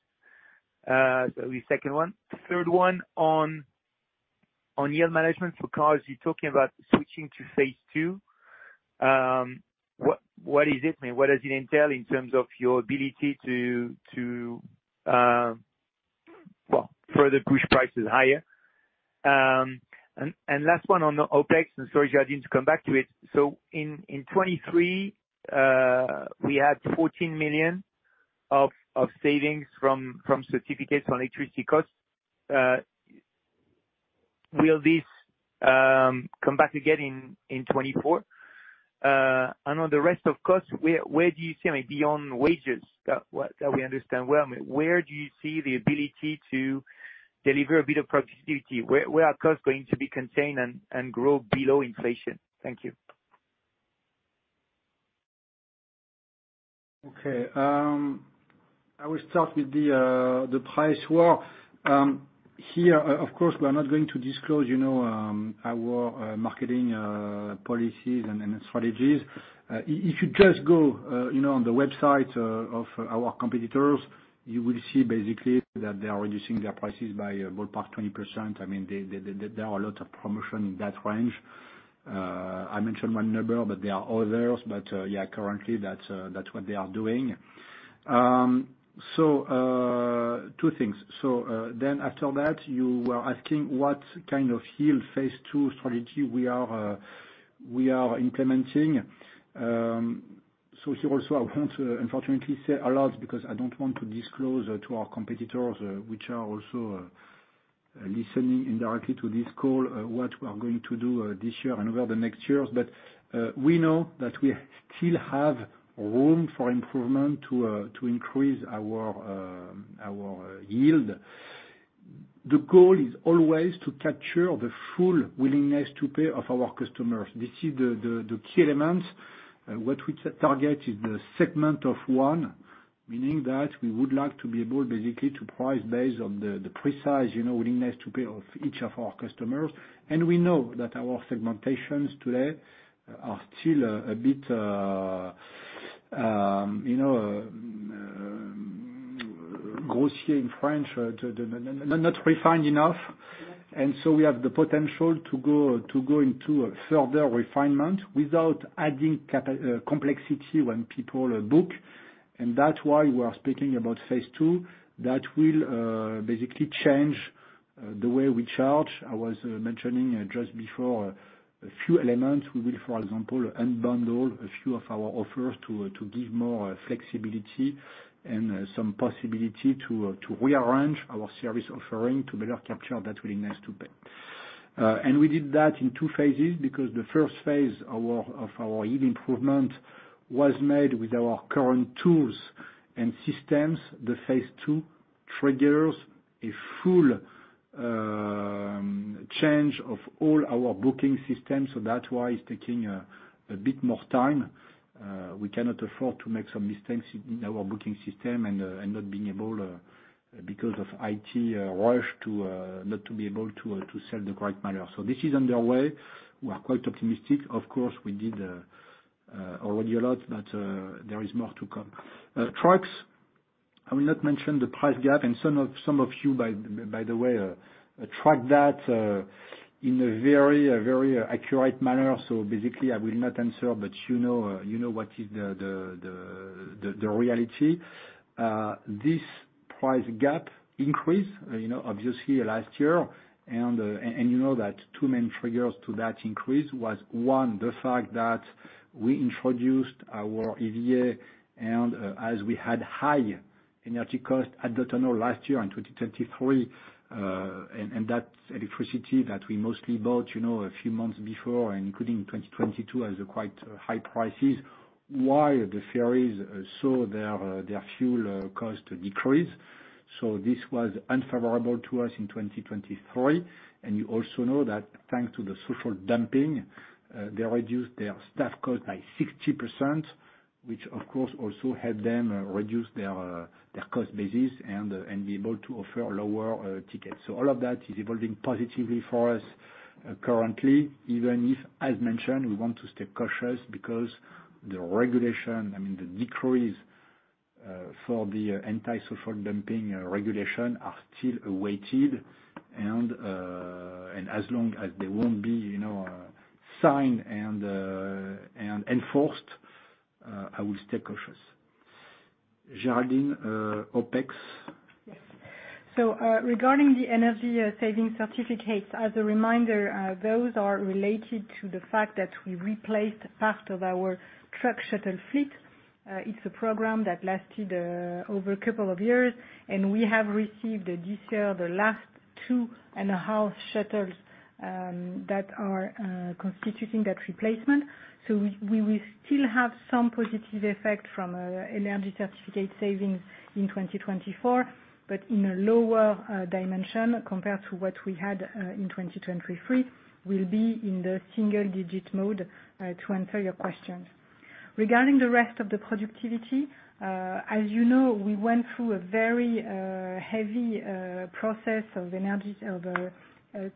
That'll be second one. Third one, on yield management for cars, you're talking about switching to phase two. What is it? I mean, what does it entail in terms of your ability to well, further push prices higher? And last one on the OpEx, and sorry, Géraldine, I need to come back to it. So in 2023, we had 14 million of savings from certificates on electricity costs. Will this come back again in 2024? And on the rest of costs, where do you see, I mean, beyond wages, that, what, that we understand well, I mean, where do you see the ability to deliver a bit of productivity? Where are costs going to be contained and grow below inflation? Thank you. Okay, I will start with the price war. Here, of course, we are not going to disclose, you know, our marketing policies and strategies. If you just go, you know, on the website of our competitors, you will see basically that they are reducing their prices by about 20%. I mean, they, there are a lot of promotion in that range. I mentioned one number, but there are others. But yeah, currently, that's what they are doing. So, two things. So, then after that, you were asking what kind of yield phase two strategy we are implementing. So here also, I won't unfortunately say a lot, because I don't want to disclose to our competitors, which are also listening indirectly to this call, what we are going to do this year and over the next years. But we know that we still have room for improvement to increase our yield. The goal is always to capture the full willingness to pay of our customers. This is the key element. What we target is the segment of one, meaning that we would like to be able basically to price based on the precise, you know, willingness to pay of each of our customers. And we know that our segmentations today are still a bit, you know, gross here in French, not refined enough. And so we have the potential to go into a further refinement without adding capacity, complexity when people book. And that's why we are speaking about phase two. That will basically change the way we charge. I was mentioning just before a few elements. We will, for example, unbundle a few of our offers to give more flexibility and some possibility to rearrange our service offering, to better capture that willingness to pay. And we did that in two phases, because the first phase of our yield improvement was made with our current tools and systems. The phase two triggers a full change of all our booking systems, so that's why it's taking a bit more time. We cannot afford to make some mistakes in our booking system and not being able, because of IT rush, to be able to sell in the correct manner. So this is underway. We are quite optimistic. Of course, we did already a lot, but there is more to come. Trucks, I will not mention the price gap, and some of you, by the way, track that in a very accurate manner, so basically, I will not answer, but you know, you know what is the reality. This price gap increased, you know, obviously last year, and you know that two main triggers to that increase was, one, the fact that we introduced our EVA, and as we had high energy cost at the tunnel last year in 2023, and that electricity that we mostly bought, you know, a few months before, and including in 2022, has a quite high prices, while the ferries saw their fuel cost decrease. So this was unfavorable to us in 2023. And you also know that thanks to the social dumping, they reduced their staff cost by 60%, which of course, also helped them reduce their cost basis and be able to offer lower tickets. So all of that is evolving positively for us, currently, even if, as mentioned, we want to stay cautious because the regulation, I mean, the decrease, for the anti-social dumping, regulation are still awaited, and, and as long as they won't be, you know, signed and, and enforced, I will stay cautious. Géraldine, OpEx? Yes. So, regarding the energy saving certificates, as a reminder, those are related to the fact that we replaced part of our truck shuttle fleet. It's a program that lasted over a couple of years, and we have received this year, the last two and a half shuttles that are constituting that replacement. So we will still have some positive effect from energy certificate savings in 2024, but in a lower dimension compared to what we had in 2023, we'll be in the single digit mode to answer your questions. Regarding the rest of the productivity, as you know, we went through a very heavy process of energy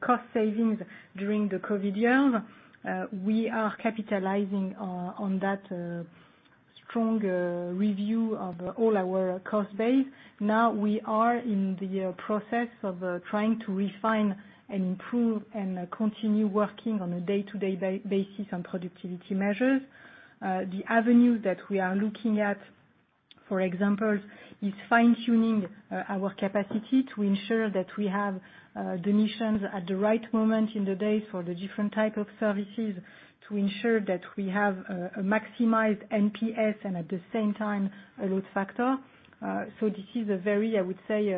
cost savings during the COVID year. We are capitalizing on that strong review of all our cost base. Now, we are in the process of trying to refine and improve and continue working on a day-to-day basis on productivity measures. The avenue that we are looking at, for example, is fine-tuning our capacity to ensure that we have the missions at the right moment in the day for the different type of services, to ensure that we have a maximized NPS and at the same time, a load factor. So this is a very, I would say,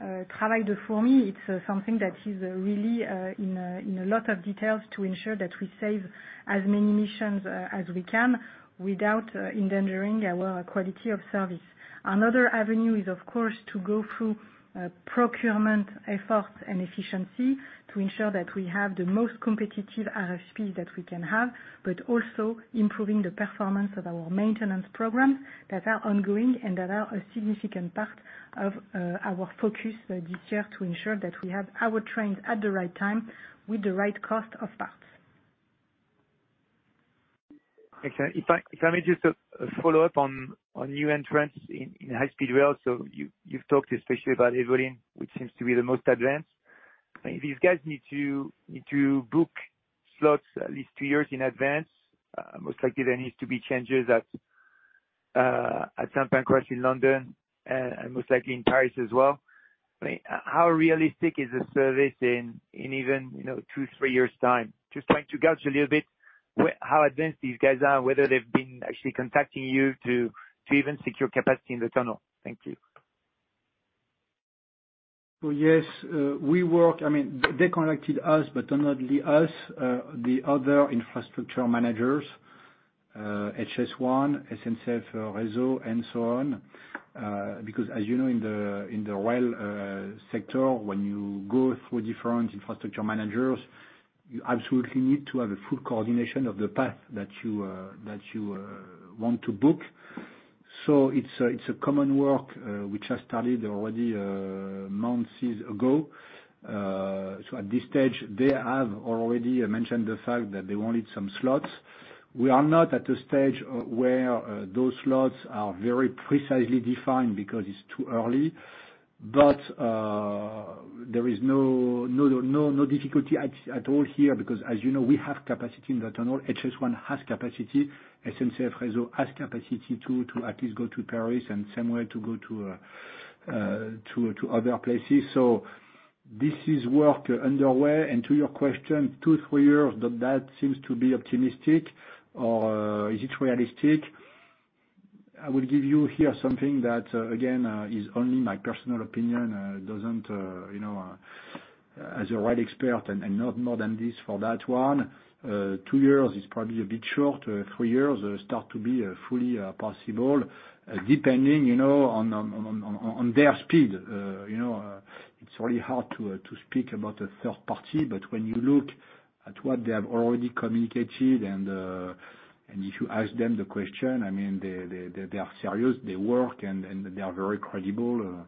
it's something that is really in a lot of details to ensure that we save as many missions as we can, without endangering our quality of service. Another avenue is, of course, to go through, procurement efforts and efficiency, to ensure that we have the most competitive RFPs that we can have, but also improving the performance of our maintenance programs that are ongoing and that are a significant part of, our focus this year, to ensure that we have our trains at the right time with the right cost of parts. Okay. If I may just a follow-up on new entrants in high speed rail. So you've talked especially about Evolyn, which seems to be the most advanced. These guys need to book slots at least two years in advance. Most likely, there needs to be changes at some point, of course, in London, and most likely in Paris as well. I mean, how realistic is this service in even, you know, two-three years' time? Just trying to gauge a little bit where- how advanced these guys are, and whether they've been actually contacting you to even secure capacity in the tunnel. Thank you. Well, yes, I mean, they contacted us, but not only us, the other infrastructure managers, HS1, SNCF Réseau, and so on. Because as you know, in the rail sector, when you go through different infrastructure managers, you absolutely need to have a full coordination of the path that you want to book. So it's a common work which has started already months ago. So at this stage, they have already mentioned the fact that they wanted some slots. We are not at a stage where those slots are very precisely defined because it's too early. But there is no difficulty at all here, because as you know, we have capacity in the tunnel. HS1 has capacity, SNCF Réseau has capacity to at least go to Paris and somewhere to go to other places. So this is work underway, and to your question, two, three years, that seems to be optimistic, or is it realistic? I will give you here something that, again, is only my personal opinion, doesn't you know as a right expert and not more than this for that one, two years is probably a bit short, three years start to be fully possible, depending, you know, on their speed. You know, it's really hard to speak about a third party, but when you look at what they have already communicated, and if you ask them the question, I mean, they are serious, they work, and they are very credible.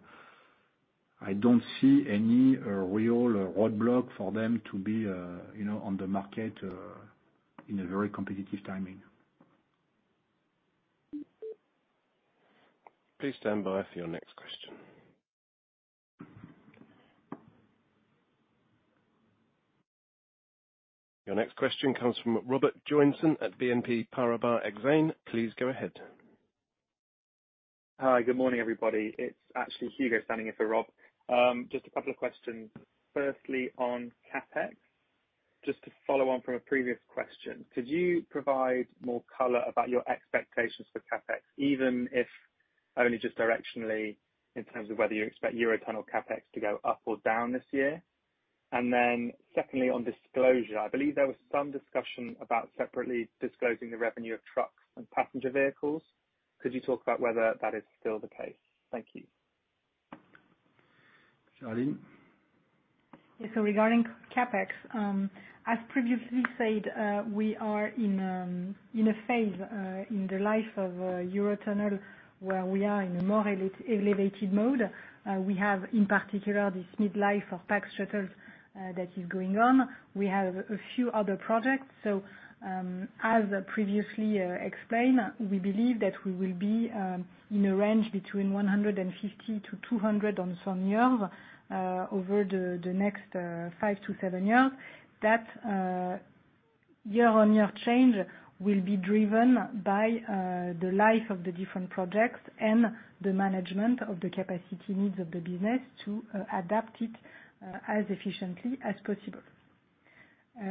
I don't see any real roadblock for them to be, you know, on the market in a very competitive timing. Please stand by for your next question. Your next question comes from Robert Joynson at BNP Paribas Exane. Please go ahead. Hi, good morning, everybody. It's actually Hugo standing in for Rob. Just a couple of questions. Just to follow on from a previous question, could you provide more color about your expectations for CapEx, even if only just directionally, in terms of whether you expect Eurotunnel CapEx to go up or down this year? And then secondly, on disclosure, I believe there was some discussion about separately disclosing the revenue of trucks and passenger vehicles. Could you talk about whether that is still the case? Thank you. Géraldine? Yes, so regarding CapEx, as previously said, we are in a phase in the life of Eurotunnel, where we are in a more elevated mode. We have in particular this mid-life of Pax shuttles that is going on. We have a few other projects. As previously explained, we believe that we will be in a range between 150 million-200 million on some years over the next five-seven years. That year-on-year change will be driven by the life of the different projects and the management of the capacity needs of the business to adapt it as efficiently as possible.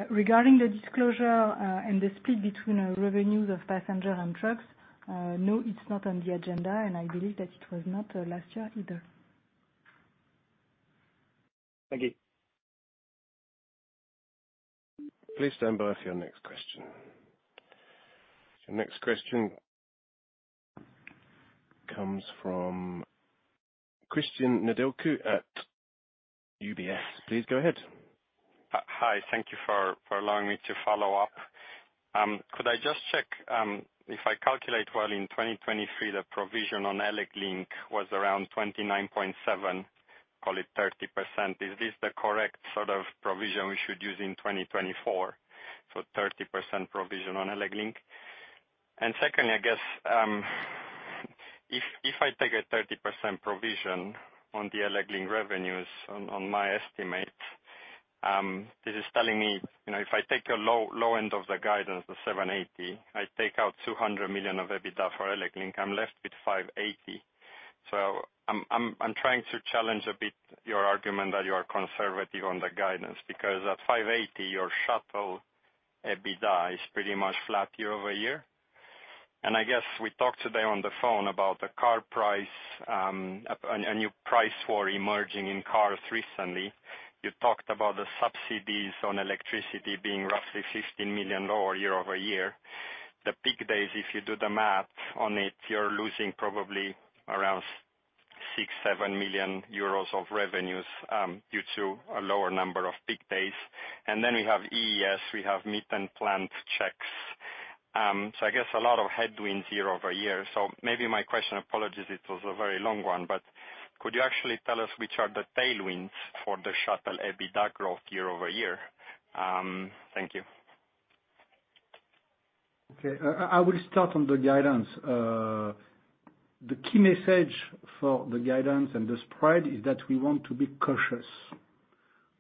Regarding the disclosure, and the split between our revenues of passenger and trucks, no, it's not on the agenda, and I believe that it was not last year either. Thank you. Please stand by for your next question. The next question comes from Cristian Nedelcu at UBS. Please go ahead. Hi, thank you for allowing me to follow up. Could I just check, if I calculate well, in 2023, the provision on ElecLink was around 29.7, call it 30%. Is this the correct sort of provision we should use in 2024, so 30% provision on ElecLink? And secondly, I guess, if I take a 30% provision on the ElecLink revenues on my estimate, this is telling me, you know, if I take a low end of the guidance, the 780 million, I take out 200 million of EBITDA for ElecLink, I'm left with 580 million. So I'm trying to challenge a bit your argument that you are conservative on the guidance, because at 580 million, your shuttle EBITDA is pretty much flat year-over-year. I guess we talked today on the phone about the car price, a new price war emerging in cars recently. You talked about the subsidies on electricity being roughly 15 million lower year-over-year. The peak days, if you do the math on it, you're losing probably around 6-7 million euros of revenues, due to a lower number of peak days. And then we have EES, we have meat and plant checks. So I guess a lot of headwinds year-over-year. So maybe my question, apologies, it was a very long one, but could you actually tell us which are the tailwinds for the shuttle EBITDA growth year-over-year? Thank you. Okay. I will start on the guidance. The key message for the guidance and the spread is that we want to be cautious.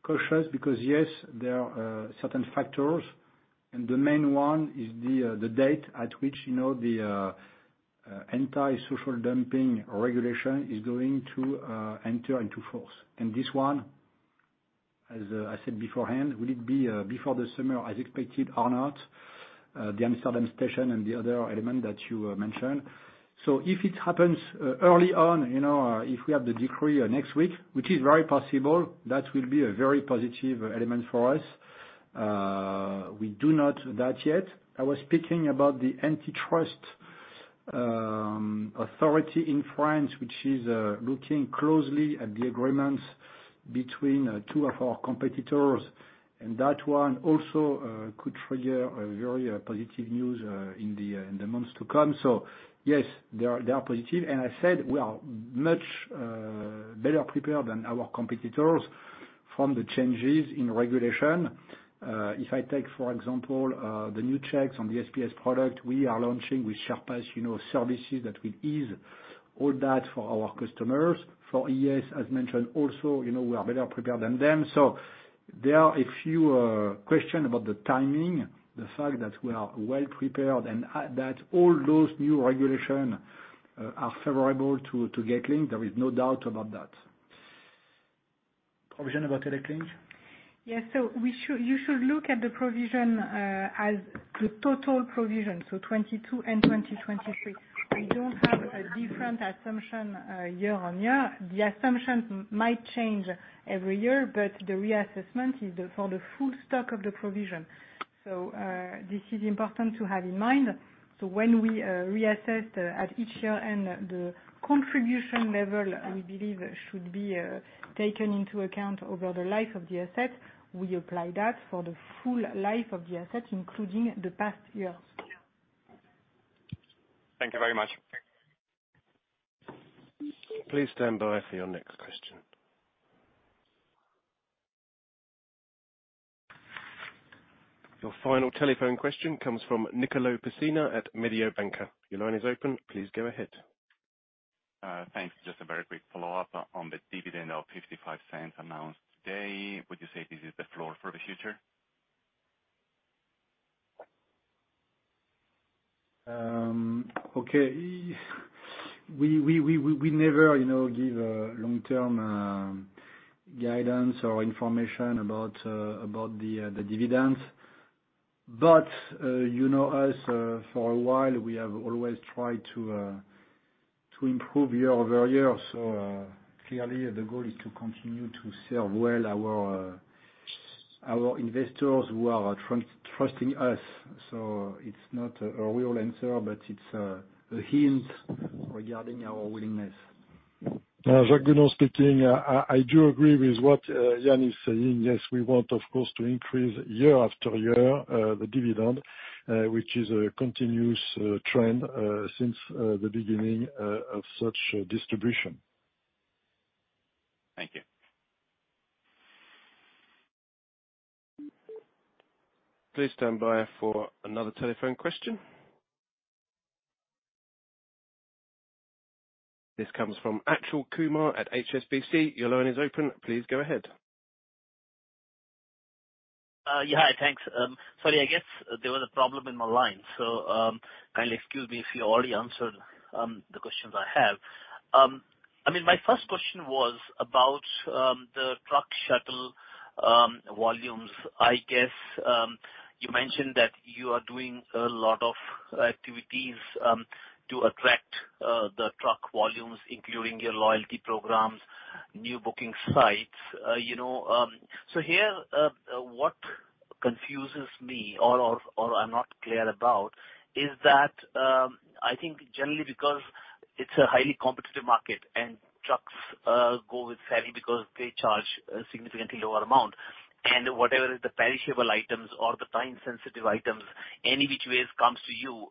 Cautious, because, yes, there are certain factors, and the main one is the date at which, you know, the anti-social dumping regulation is going to enter into force. And this one, as I said beforehand, will it be before the summer, as expected or not, the Amsterdam station and the other element that you mentioned. So if it happens early on, you know, if we have the decree next week, which is very possible, that will be a very positive element for us. We do not do that yet. I was speaking about the antitrust authority in France, which is looking closely at the agreements between two of our competitors, and that one also could trigger a very positive news in the months to come. So yes, they are, they are positive, and I said, we are much better prepared than our competitors from the changes in regulation. If I take, for example, the new checks on the SPS product, we are launching with Sherpass, you know, services that will ease all that for our customers. For EES, as mentioned, also, you know, we are better prepared than them. So there are a few question about the timing, the fact that we are well prepared and that all those new regulation are favorable to Getlink, there is no doubt about that. Provision about ElecLink? Yes. So you should look at the provision as the total provision, so 2022 and 2023. We don't have a different assumption year-on-year. The assumptions might change every year, but the reassessment is for the full stock of the provision. So this is important to have in mind. So when we reassess at each year, and the contribution level we believe should be taken into account over the life of the asset, we apply that for the full life of the asset, including the past years. Thank you very much. Please stand by for your next question. Your final telephone question comes from Nicolò Pessina at Mediobanca. Your line is open. Please go ahead. Thanks. Just a very quick follow-up on the dividend of 0.55 announced today. Would you say this is the floor for the future?... Okay, we never, you know, give a long-term guidance or information about the dividends. But you know us, for a while, we have always tried to improve year-over-year. So clearly, the goal is to continue to serve well our investors who are trusting us. So it's not a real answer, but it's a hint regarding our willingness. Jacques Gounon speaking. I do agree with what Yann is saying. Yes, we want, of course, to increase year after year the dividend, which is a continuous trend since the beginning of such distribution. Thank you. Please stand by for another telephone question. This comes from Achal Kumar at HSBC. Your line is open. Please go ahead. Yeah, hi. Thanks. Sorry, I guess there was a problem in my line, so kindly excuse me if you already answered the questions I have. I mean, my first question was about the truck shuttle volumes. I guess you mentioned that you are doing a lot of activities to attract the truck volumes, including your loyalty programs, new booking sites, you know. So here, what confuses me or I'm not clear about is that I think generally because it's a highly competitive market, and trucks go with ferry because they charge a significantly lower amount, and whatever is the perishable items or the time-sensitive items, any which ways comes to you.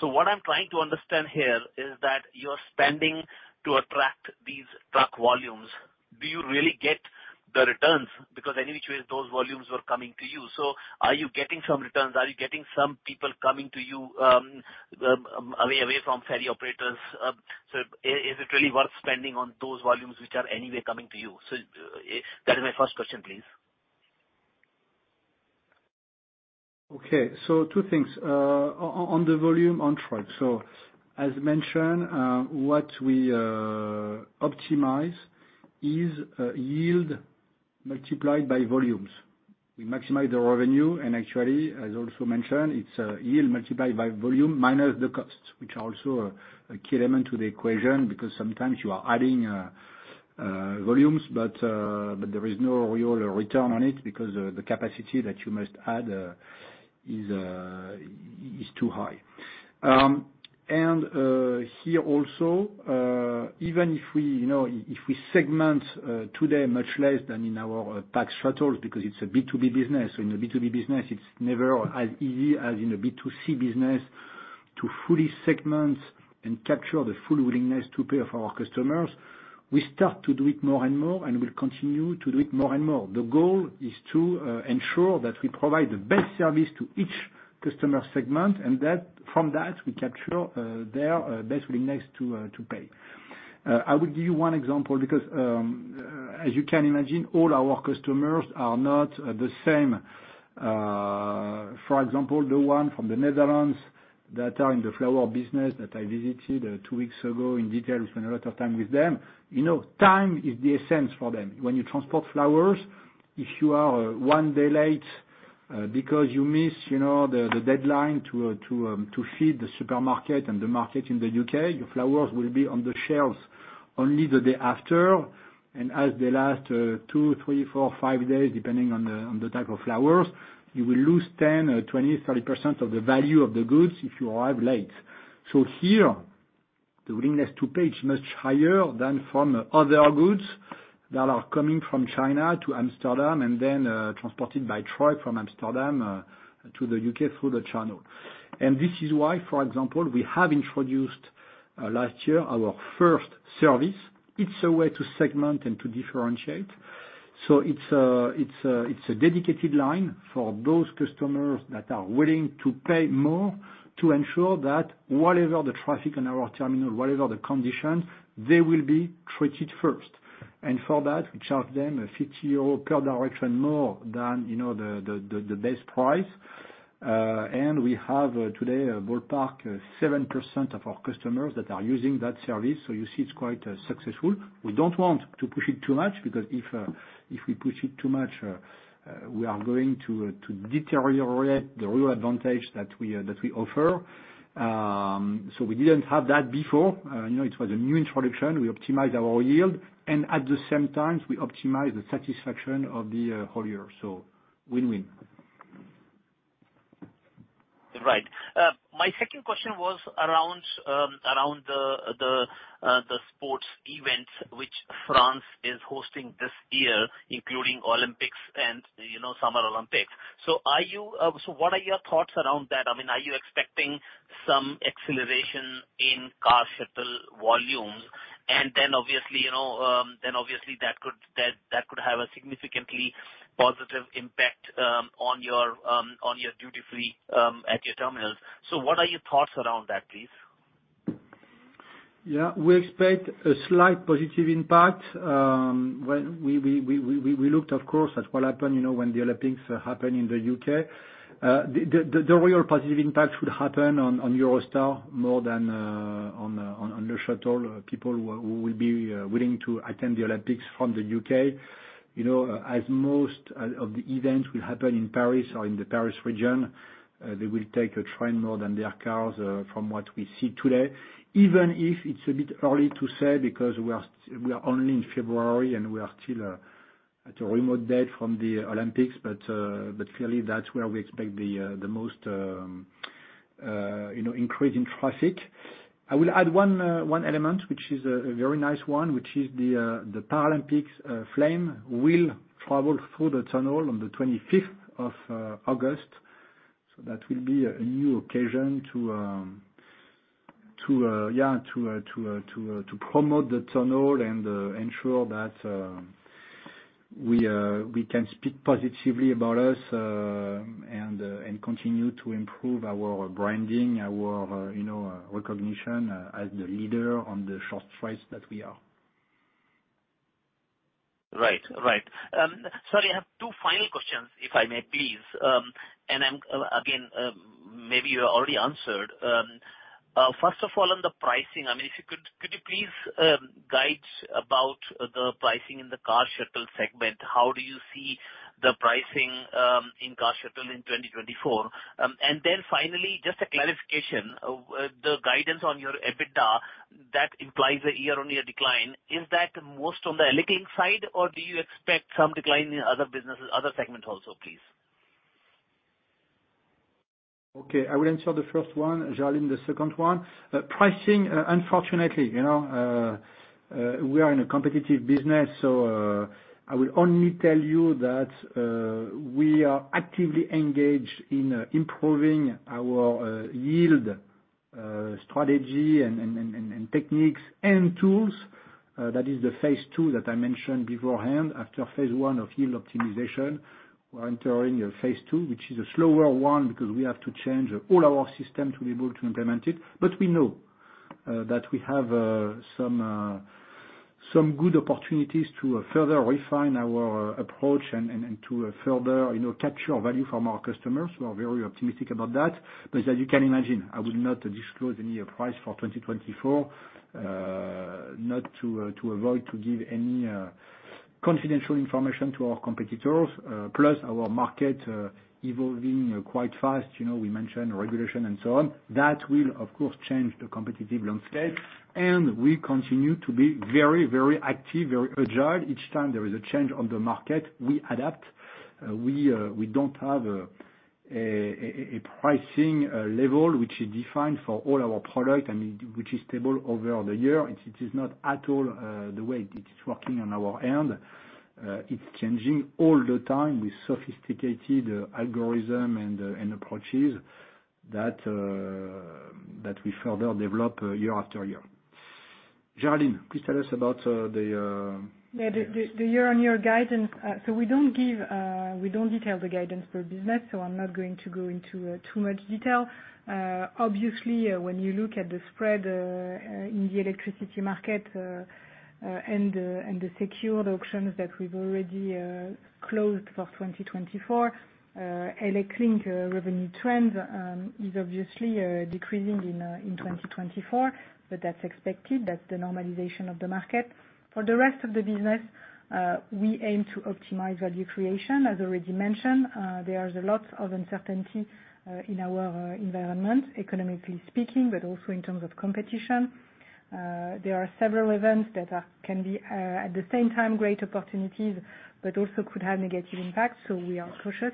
So what I'm trying to understand here is that you're spending to attract these truck volumes. Do you really get the returns? Because any which way, those volumes were coming to you. So are you getting some returns? Are you getting some people coming to you, away, away from ferry operators? So, is it really worth spending on those volumes, which are anyway coming to you? So, that is my first question, please. Okay. So two things. On the volume on truck. So as mentioned, what we optimize is yield multiplied by volumes. We maximize the revenue, and actually, as also mentioned, it's yield multiplied by volume minus the costs, which are also a key element to the equation, because sometimes you are adding volumes, but there is no real return on it because the capacity that you must add is too high. And here also, even if we, you know, if we segment today much less than in our passenger shuttles, because it's a B2B business, so in a B2B business, it's never as easy as in a B2C business to fully segment and capture the full willingness to pay of our customers. We start to do it more and more, and we'll continue to do it more and more. The goal is to ensure that we provide the best service to each customer segment, and that, from that, we capture their best willingness to to pay. I will give you one example, because, as you can imagine, all our customers are not the same. For example, the one from the Netherlands that are in the flower business that I visited two weeks ago in detail, we spent a lot of time with them. You know, time is the essence for them. When you transport flowers, if you are one day late, because you miss, you know, the deadline to feed the supermarket and the market in the U.K., your flowers will be on the shelves only the day after, and as they last two, three, four, five days, depending on the type of flowers, you will lose 10%, 20%, 30% of the value of the goods if you arrive late. So here, the willingness to pay is much higher than from other goods that are coming from China to Amsterdam, and then transported by truck from Amsterdam to the U.K. through the channel. And this is why, for example, we have introduced last year our First service. It's a way to segment and to differentiate. So it's a dedicated line for those customers that are willing to pay more to ensure that whatever the traffic in our terminal, whatever the conditions, they will be treated first. And for that, we charge them 50 euro per direction more than, you know, the best price. And we have today a ballpark 7% of our customers that are using that service, so you see it's quite successful. We don't want to push it too much, because if we push it too much, we are going to deteriorate the real advantage that we offer. So we didn't have that before. You know, it was a new introduction. We optimized our yield, and at the same time, we optimized the satisfaction of the hauler, so win-win. Right. My second question was around the sports events, which France is hosting this year, including Olympics and, you know, Summer Olympics. So what are your thoughts around that? I mean, are you expecting some acceleration in car shuttle volumes? And then obviously, you know, then obviously that could have a significantly positive impact on your duty-free at your terminals. So what are your thoughts around that, please?... Yeah, we expect a slight positive impact. When we looked, of course, at what happened, you know, when the Olympics happened in the U.K.. The real positive impact would happen on Eurostar more than on the shuttle. People who will be willing to attend the Olympics from the U.K.. You know, as most of the events will happen in Paris or in the Paris region, they will take a train more than their cars, from what we see today. Even if it's a bit early to say, because we are only in February, and we are still at a remote date from the Olympics, but clearly, that's where we expect the most increase in traffic. I will add one element, which is a very nice one, which is the Paralympics flame will travel through the tunnel on the 25th of August. So that will be a new occasion to, yeah, to promote the tunnel and ensure that we can speak positively about us, and continue to improve our branding, our, you know, recognition as the leader on the short flights that we are. Right. Right. Sorry, I have two final questions, if I may please. And I'm again, maybe you already answered. First of all, on the pricing, I mean, if you could—could you please guide about the pricing in the car shuttle segment? How do you see the pricing in car shuttle in 2024? And then finally, just a clarification, the guidance on your EBITDA, that implies a year-on-year decline. Is that most on the ElecLink side, or do you expect some decline in other businesses, other segments also, please? Okay, I will answer the first one, Géraldine, the second one. Pricing, unfortunately, you know, we are in a competitive business, so, I will only tell you that, we are actively engaged in, improving our, yield, strategy and techniques and tools. That is the phase two that I mentioned beforehand. After phase one of yield optimization, we're entering, phase two, which is a slower one, because we have to change all our system to be able to implement it. But we know, that we have, some good opportunities to, further refine our approach and to, further, you know, capture value from our customers. We are very optimistic about that. But as you can imagine, I would not disclose any price for 2024, not to avoid to give any confidential information to our competitors. Plus our market evolving quite fast. You know, we mentioned regulation and so on. That will, of course, change the competitive landscape, and we continue to be very, very active, very agile. Each time there is a change on the market, we adapt. We don't have a pricing level which is defined for all our product and which is stable over the year. It is not at all the way it is working on our end. It's changing all the time with sophisticated algorithm and approaches that we further develop year after year. Géraldine, please tell us about the- Yeah, the year-on-year guidance. So we don't give, we don't detail the guidance per business, so I'm not going to go into too much detail. Obviously, when you look at the spread in the electricity market and the secured auctions that we've already closed for 2024, ElecLink revenue trends is obviously decreasing in 2024, but that's expected. That's the normalization of the market. For the rest of the business, we aim to optimize value creation. As already mentioned, there is a lot of uncertainty in our environment, economically speaking, but also in terms of competition. There are several events that are, can be, at the same time, great opportunities, but also could have negative impacts, so we are cautious.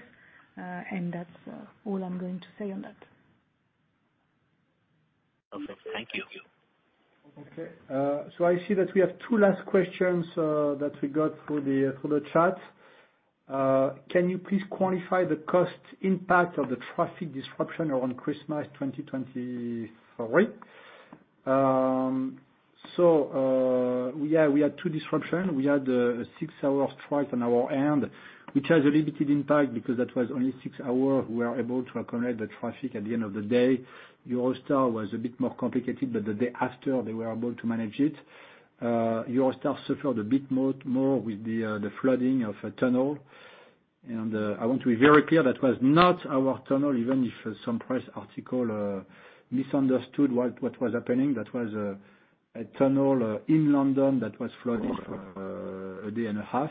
That's all I'm going to say on that. Okay. Thank you. Okay, so I see that we have two last questions that we got through the chat. Can you please quantify the cost impact of the traffic disruption around Christmas 2023? So, yeah, we had two disruptions. We had a six-hour strike on our end, which has a limited impact because that was only six hours. We were able to accommodate the traffic at the end of the day. Eurostar was a bit more complicated, but the day after, they were able to manage it. Eurostar suffered a bit more with the flooding of a tunnel. And I want to be very clear, that was not our tunnel, even if some press articles misunderstood what was happening. That was a tunnel in London that was flooded a day and a half.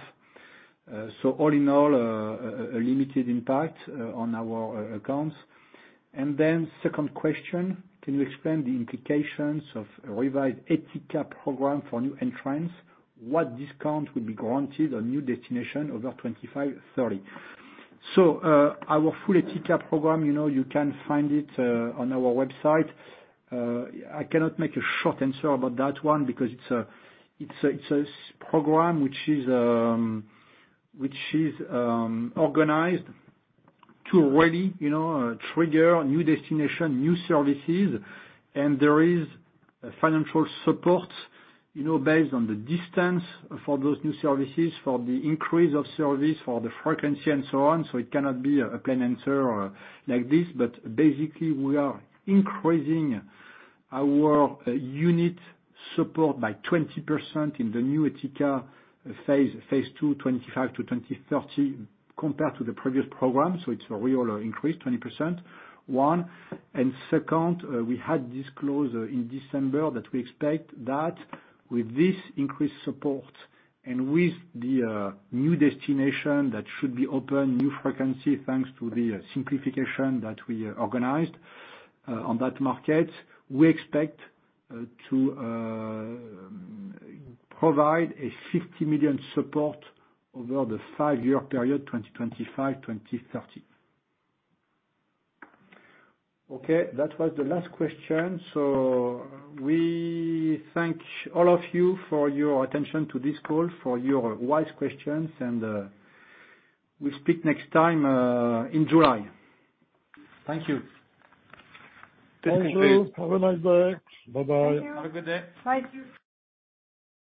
So all in all, a limited impact on our accounts. And then second question, can you explain the implications of revised ETICA program for new entrants? What discount will be granted on new destination over 25, 30? So, our full ETICA program, you know, you can find it on our website. I cannot make a short answer about that one because it's a program which is organized to really, you know, trigger new destination, new services. And there is a financial support, you know, based on the distance for those new services, for the increase of service, for the frequency, and so on. So it cannot be a plain answer like this, but basically, we are increasing our unit support by 20% in the new ETICA phase, phase two, 2025-2030, compared to the previous program. So it's a real increase, 20%, one. And second, we had disclosed in December that we expect that with this increased support and with the new destination, that should be open, new frequency, thanks to the simplification that we organized on that market. We expect to provide 50 million support over the five-year period, 2025-2030. Okay, that was the last question. So we thank all of you for your attention to this call, for your wise questions, and we'll speak next time in July. Thank you. Thank you. Have a nice day. Bye-bye. Thank you. Have a good day. Bye.